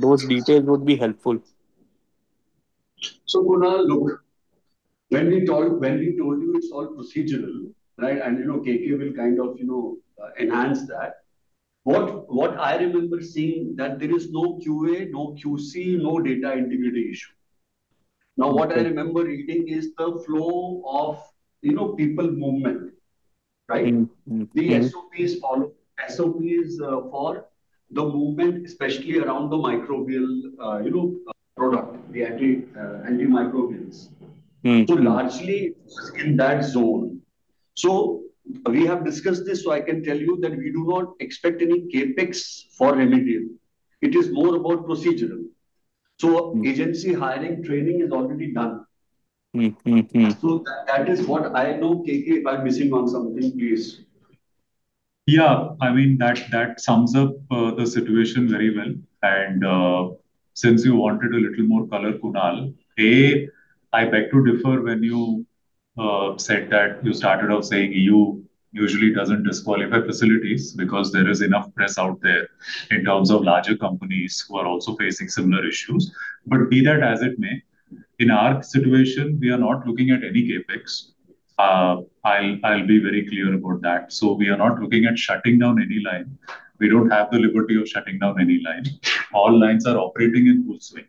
E: Those details would be helpful.
D: Kunal, look, when we told you it's all procedural, right? You know, KK will kind of, you know, enhance that. What I remember seeing that there is no QA, no QC, no data integrity issue. What I remember reading is the flow of, you know, people movement, right? The SOPs follow SOPs, for the movement, especially around the microbial, you know, product, the anti, antimicrobials. Largely in that zone. We have discussed this, so I can tell you that we do not expect any CapEx for remediation. It is more about procedural. Agency hiring, training is already done. That is what I know. KK, if I'm missing on something, please.
A: Yeah, I mean, that sums up the situation very well. Since you wanted a little more color, Kunal, I beg to differ when you said that You started off saying EU usually doesn't disqualify facilities because there is enough press out there in terms of larger companies who are also facing similar issues. Be that as it may, in our situation, we are not looking at any CapEx. I'll be very clear about that. We are not looking at shutting down any line. We don't have the liberty of shutting down any line. All lines are operating in full swing,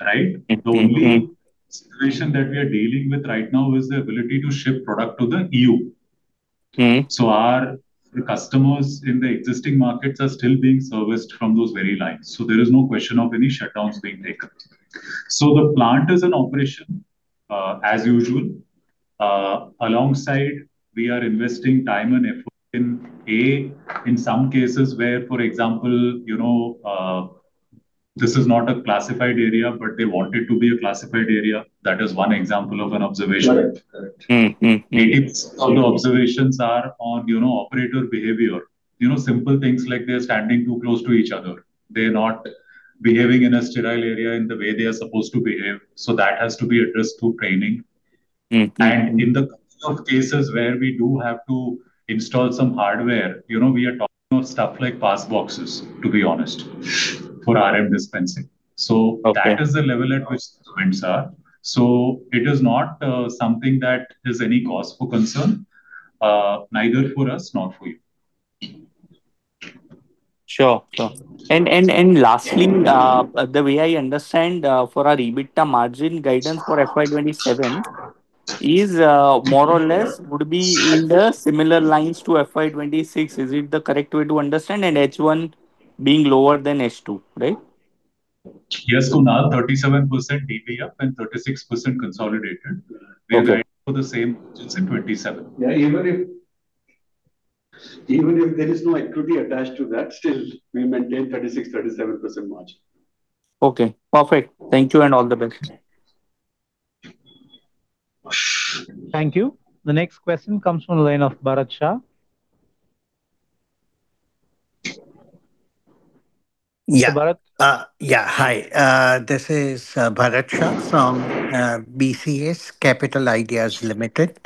A: right? The only situation that we are dealing with right now is the ability to ship product to the EU.
E: Okay.
A: Our customers in the existing markets are still being serviced from those very lines, there is no question of any shutdowns being taken. The plant is in operation as usual. Alongside, we are investing time and effort in some cases where, for example, you know, this is not a classified area, but they want it to be a classified area. That is one example of an observation.
D: Correct.
A: 80% of the observations are on, you know, operator behavior. You know, simple things like they're standing too close to each other. They're not behaving in a sterile area in the way they are supposed to behave, so that has to be addressed through training. In the couple of cases where we do have to install some hardware, you know, we are talking of stuff like pass boxes, to be honest, for RM dispensing.
E: Okay.
A: That is the level at which things are. It is not something that is any cause for concern, neither for us nor for you.
E: Sure. Lastly, the way I understand, for our EBITDA margin guidance for FY 2027 is more or less would be in the similar lines to FY 2026. Is it the correct way to understand? H1 being lower than H2, right?
A: Yes, Kunal, 37% DBF and 36% consolidated.
E: Okay.
A: We are aiming for the same margins in 2027.
D: Yeah, even if, even if there is no equity attached to that, still we maintain 36%-37% margin.
E: Okay, perfect. Thank you, and all the best.
B: Thank you. The next question comes from the line of Bharat Shah.
K: Yeah.
B: Bharat?
K: Yeah, hi. This is Bharat Shah from BCS Capital Ideas Limited.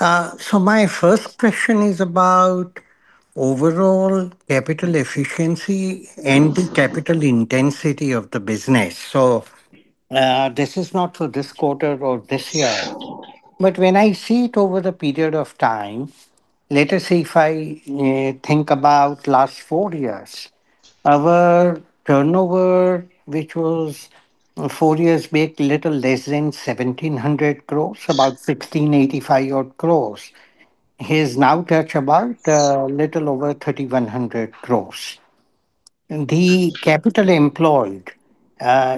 K: My first question is about overall capital efficiency and the capital intensity of the business. This is not for this quarter or this year, but when I see it over the period of time, let us say if I think about last four years, our turnover, which was four years back little less than 1,700 crore, about 1,685 crore, has now touched about little over 3,100 crore. The capital employed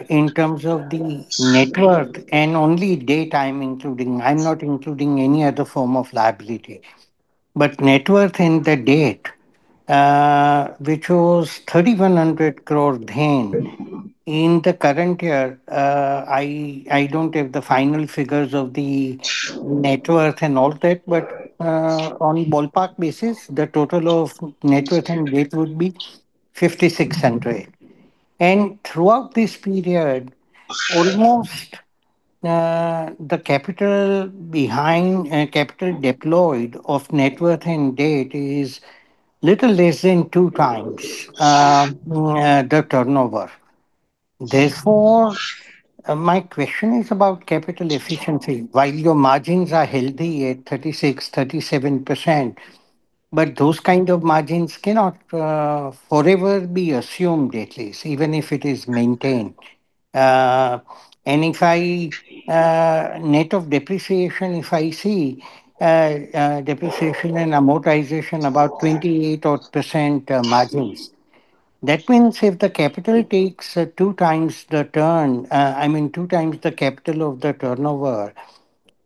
K: in terms of the net worth and only debt I'm including. I'm not including any other form of liability. Net worth and the debt, which was 3,100 crore then. In the current year, I don't have the final figures of the net worth and all that, but on ballpark basis, the total of net worth and debt would be 5,600 crores. Throughout this period, almost the capital behind capital deployed of net worth and debt is little less than 2x the turnover. My question is about capital efficiency. While your margins are healthy at 36%-37%, but those kind of margins cannot forever be assumed at least, even if it is maintained. If I net of depreciation if I see depreciation and amortization about 28% odd margins. That means if the capital takes 2x the turn, I mean, 2x the capital of the turnover,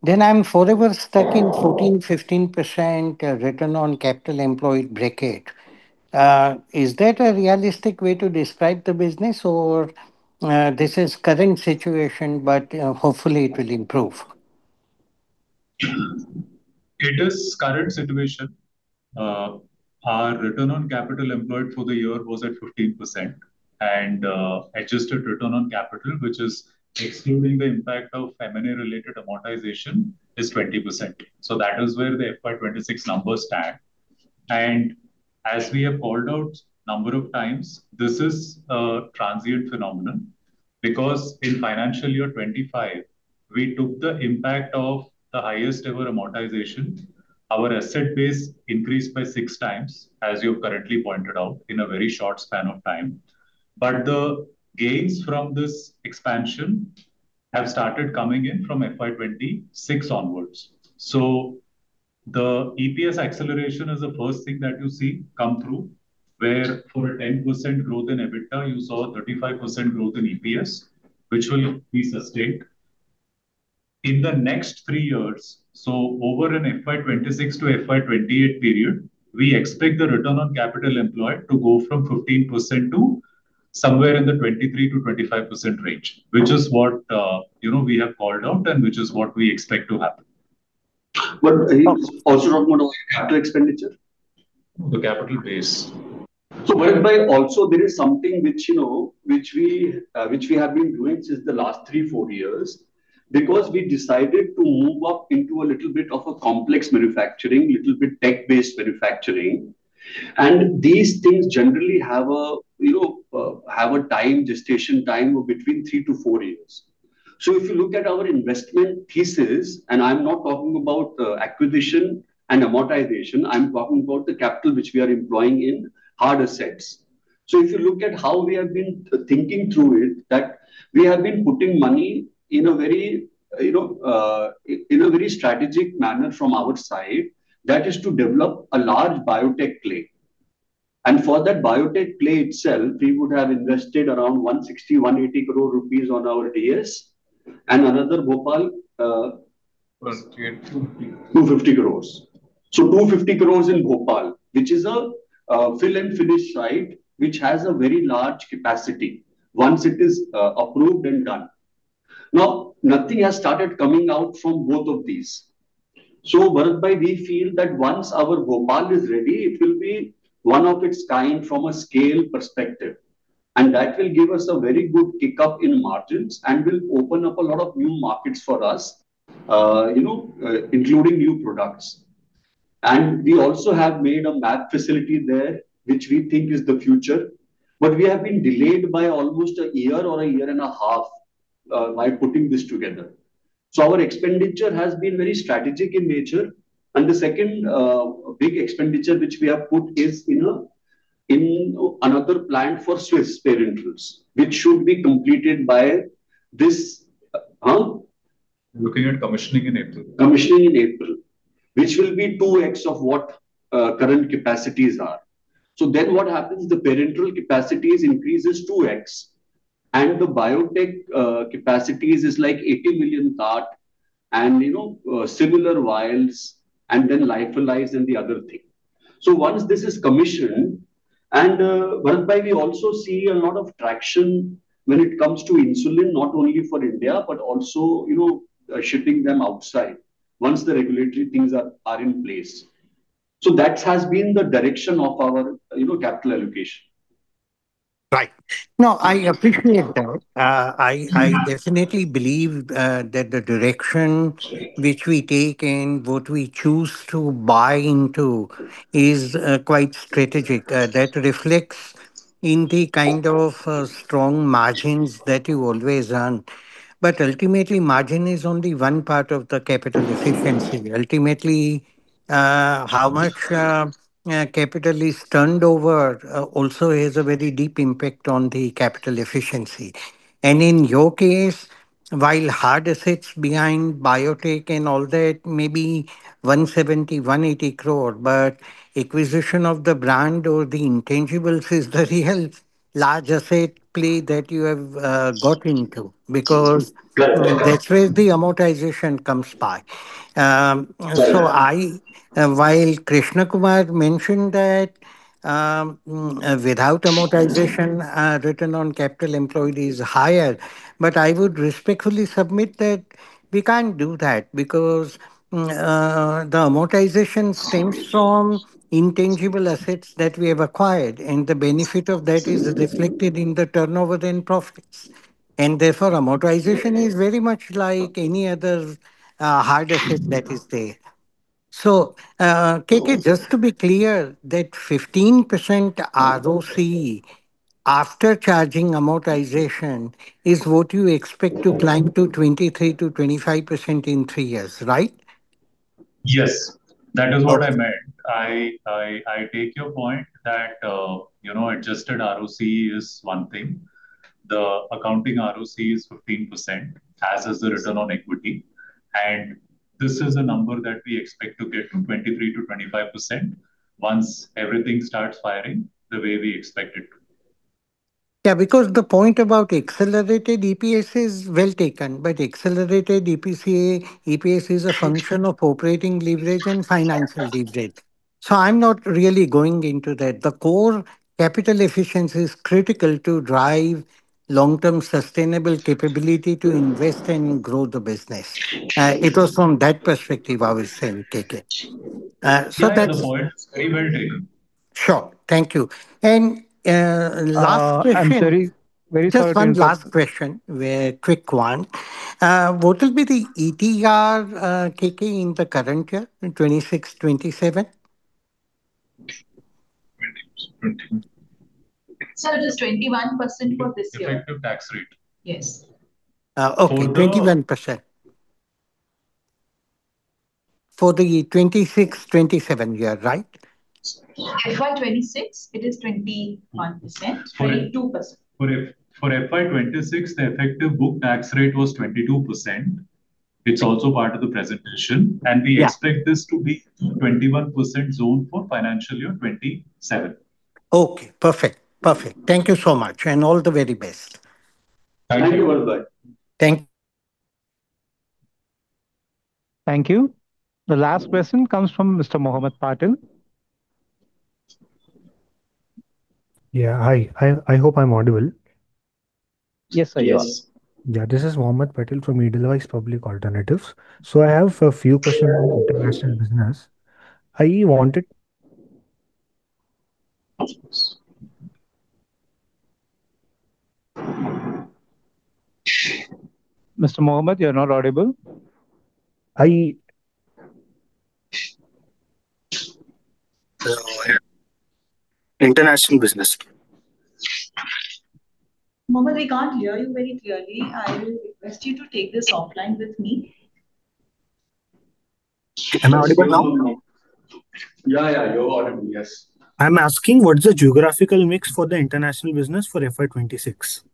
K: then I'm forever stuck in 14%-15% return on capital employed bracket. Is that a realistic way to describe the business or, this is current situation, but, hopefully it will improve?
A: It is current situation. Our return on capital employed for the year was at 15%. Adjusted return on capital, which is excluding the impact of M&A-related amortization, is 20%. That is where the FY 2026 numbers stand. As we have called out number of times, this is a transient phenomenon because in financial year 2025, we took the impact of the highest ever amortization. Our asset base increased by 6x, as you currently pointed out, in a very short span of time. The gains from this expansion have started coming in from FY 2026 onwards. The EPS acceleration is the first thing that you see come through, where for a 10% growth in EBITDA, you saw a 35% growth in EPS, which will be sustained. In the next three years, so over an FY 2026-FY 2028 period, we expect the return on capital employed to go from 15% to somewhere in the 23%-25% range, which is what, you know, we have called out and which is what we expect to happen.
D: Are you also talking about capital expenditure?
A: The capital base.
D: Bharat, also there is something which, you know, which we have been doing since the last three, four years. We decided to move up into a little bit of a complex manufacturing, little bit tech-based manufacturing. These things generally have a, you know, have a time, gestation time of between three to four years. If you look at our investment thesis, and I'm not talking about acquisition and amortization, I'm talking about the capital which we are employing in hard assets. If you look at how we have been thinking through it, that we have been putting money in a very, you know, in a very strategic manner from our side. That is to develop a large biotech play. For that biotech play itself, we would have invested around 160 crore-180 crore rupees on our DS. Another Bhopal.
A: Around INR 250. 250 crores.
D: 250 crores in Bhopal, which is a fill and finish site, which has a very large capacity once it is approved and done. Now, nothing has started coming out from both of these. Bharat, we feel that once our Bhopal is ready, it will be one of its kind from a scale perspective, and that will give us a very good kick-up in margins and will open up a lot of new markets for us, including new products. We also have made a mAb facility there, which we think is the future. We have been delayed by almost a year or a year and a half by putting this together. Our expenditure has been very strategic in nature. The second, big expenditure which we have put is in another plant for Swiss Parenterals, which should be completed by this.
A: Looking at commissioning in April.
D: Commissioning in April, which will be 2x of what current capacities are. What happens, the parenteral capacities increases 2x, and the biotech capacities is like 80 million cart and, you know, similar vials and then lyophilize and the other thing. Once this is commissioned Bharat, we also see a lot of traction when it comes to insulin, not only for India, but also, you know, shipping them outside once the regulatory things are in place. That has been the direction of our, you know, capital allocation.
K: Right. No, I appreciate that. I definitely believe that the direction which we take and what we choose to buy into is quite strategic. That reflects in the kind of strong margins that you always earn. Ultimately, margin is only one part of the capital efficiency. Ultimately, how much capital is turned over also has a very deep impact on the capital efficiency. In your case, while hard assets behind biotech and all that may be 170 crore-180 crore, acquisition of the brand or the intangibles is the real large asset play that you have got into, because- that's where the amortization comes by. While Krishnakumar mentioned that, without amortization, return on capital employed is higher. But I would respectfully submit that we can't do that because the amortization stems from intangible assets that we have acquired, and the benefit of that is reflected in the turnover then profits. Therefore, amortization is very much like any other hard asset that is there. KK, just to be clear, that 15% ROC after charging amortization is what you expect to climb to 23%-25% in three years, right?
A: Yes. That is what I meant. I take your point that, you know, adjusted ROC is one thing. The accounting ROC is 15%, as is the return on equity. This is a number that we expect to get from 23%-25% once everything starts firing the way we expect it to.
K: The point about accelerated EPS is well taken. Accelerated EPS is a function of operating leverage and financial leverage. I'm not really going into that. The core capital efficiency is critical to drive long-term sustainable capability to invest and grow the business. It was from that perspective I was saying, KK.
A: You have the point. Very well taken.
K: Sure. Thank you. Last question.
B: I'm sorry. Very sorry, yes.
K: Just one last question, a quick one. What will be the ETR, KK, in the current year, in 2026, 2027?
L: Sir, it is 21% for this year.
A: Effective tax rate.
L: Yes.
K: Okay. 21%. For the 2026, 2027 year, right?
L: FY 2026, it is 21%.
A: For FY 2026, the effective book tax rate was 22%. It's also part of the presentation.
K: Yeah.
A: We expect this to be 21% zone for FY 2027.
K: Okay, perfect. Perfect. Thank you so much, and all the very best.
A: Thank you.
D: Thank you. Bye-bye.
K: Thanks.
B: Thank you. The last question comes from Mr. Mohammed Patel.
M: Yeah. Hi, I hope I'm audible.
B: Yes, sir, you are.
M: Yeah. This is Mohammed Patel from Edelweiss Financial Services. I have a few questions on International business.
B: Mr. Mohammed, you're not audible.
M: International business.
L: Mohammed, we can't hear you very clearly. I will request you to take this offline with me.
M: Am I audible now?
A: Yeah, yeah, you're audible. Yes.
M: I'm asking what is the geographical mix for the International business for FY 2026?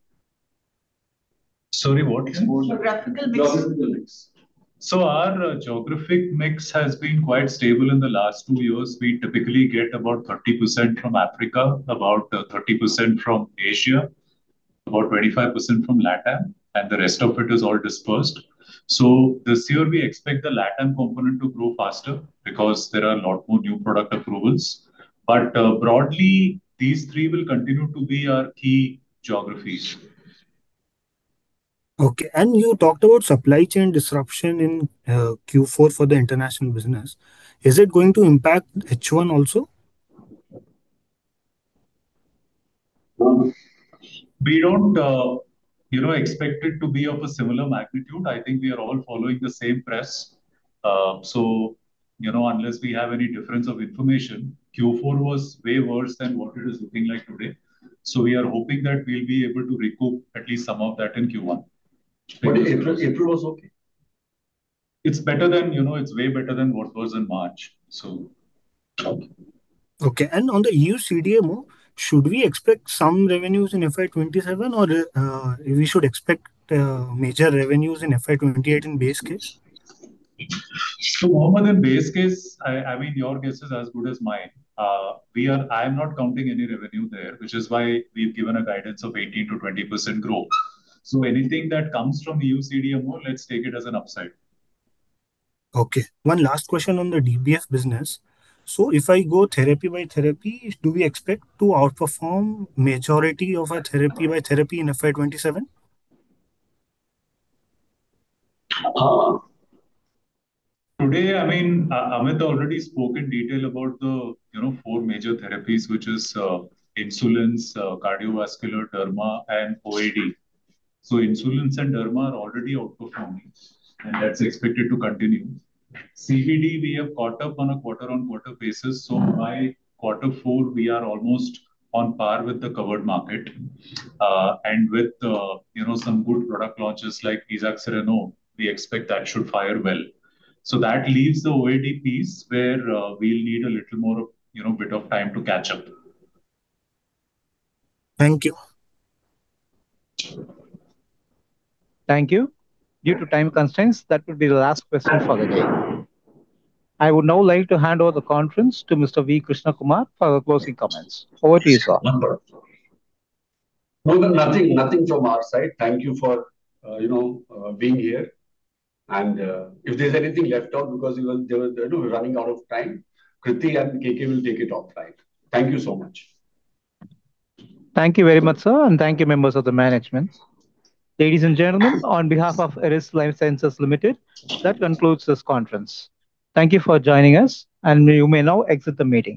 A: Sorry, what?
L: Geographical mix.
D: Geographical mix.
A: Our geographic mix has been quite stable in the last two years. We typically get about 30% from Africa, about 30% from Asia, about 25% from LATAM, and the rest of it is all dispersed. This year we expect the LATAM component to grow faster because there are a lot more new product approvals. Broadly, these three will continue to be our key geographies.
M: Okay. You talked about supply chain disruption in Q4 for the international business. Is it going to impact H1 also?
A: We don't, you know, expect it to be of a similar magnitude. I think we are all following the same press. You know, unless we have any difference of information, Q4 was way worse than what it is looking like today. We are hoping that we'll be able to recoup at least some of that in Q1.
M: April was okay?
A: It's better than, you know, it's way better than what was in March.
M: Okay. On the EU CDMO, should we expect some revenues in FY 2027 or, we should expect, major revenues in FY 2028 in base case?
A: Mohammed, in base case, I mean, your guess is as good as mine. I am not counting any revenue there, which is why we've given a guidance of 18%-20% growth. Anything that comes from EU CDMO, let's take it as an upside.
M: Okay. One last question on the DBF business. If I go therapy-by-therapy, do we expect to outperform majority of our therapy-by-therapy in FY 2027?
A: Today, I mean, Amit already spoke in detail about the, you know, four major therapies, which is insulins, cardiovascular, derma, and OAD. Insulins and derma are already outperforming, and that's expected to continue. CVD, we have caught up on a quarter-on-quarter basis, so by quarter four we are almost on par with the covered market. And with, you know, some good product launches like esaxerenone. We expect that should fire well. That leaves the OAD piece where we'll need a little more, you know, bit of time to catch up.
M: Thank you.
B: Thank you. Due to time constraints, that will be the last question for the day. I would now like to hand over the conference to Mr. V. Krishnakumar for the closing comments. Over to you, Sir.
D: Nothing from our side. Thank you for, you know, being here. If there's anything left out because, you know, they were, you know, running out of time, Kruti and KK will take it offline. Thank you so much.
B: Thank you very much, Sir. Thank you members of the management. Ladies and gentlemen, on behalf of Eris Lifesciences Limited, that concludes this conference. Thank you for joining us. You may now exit the meeting.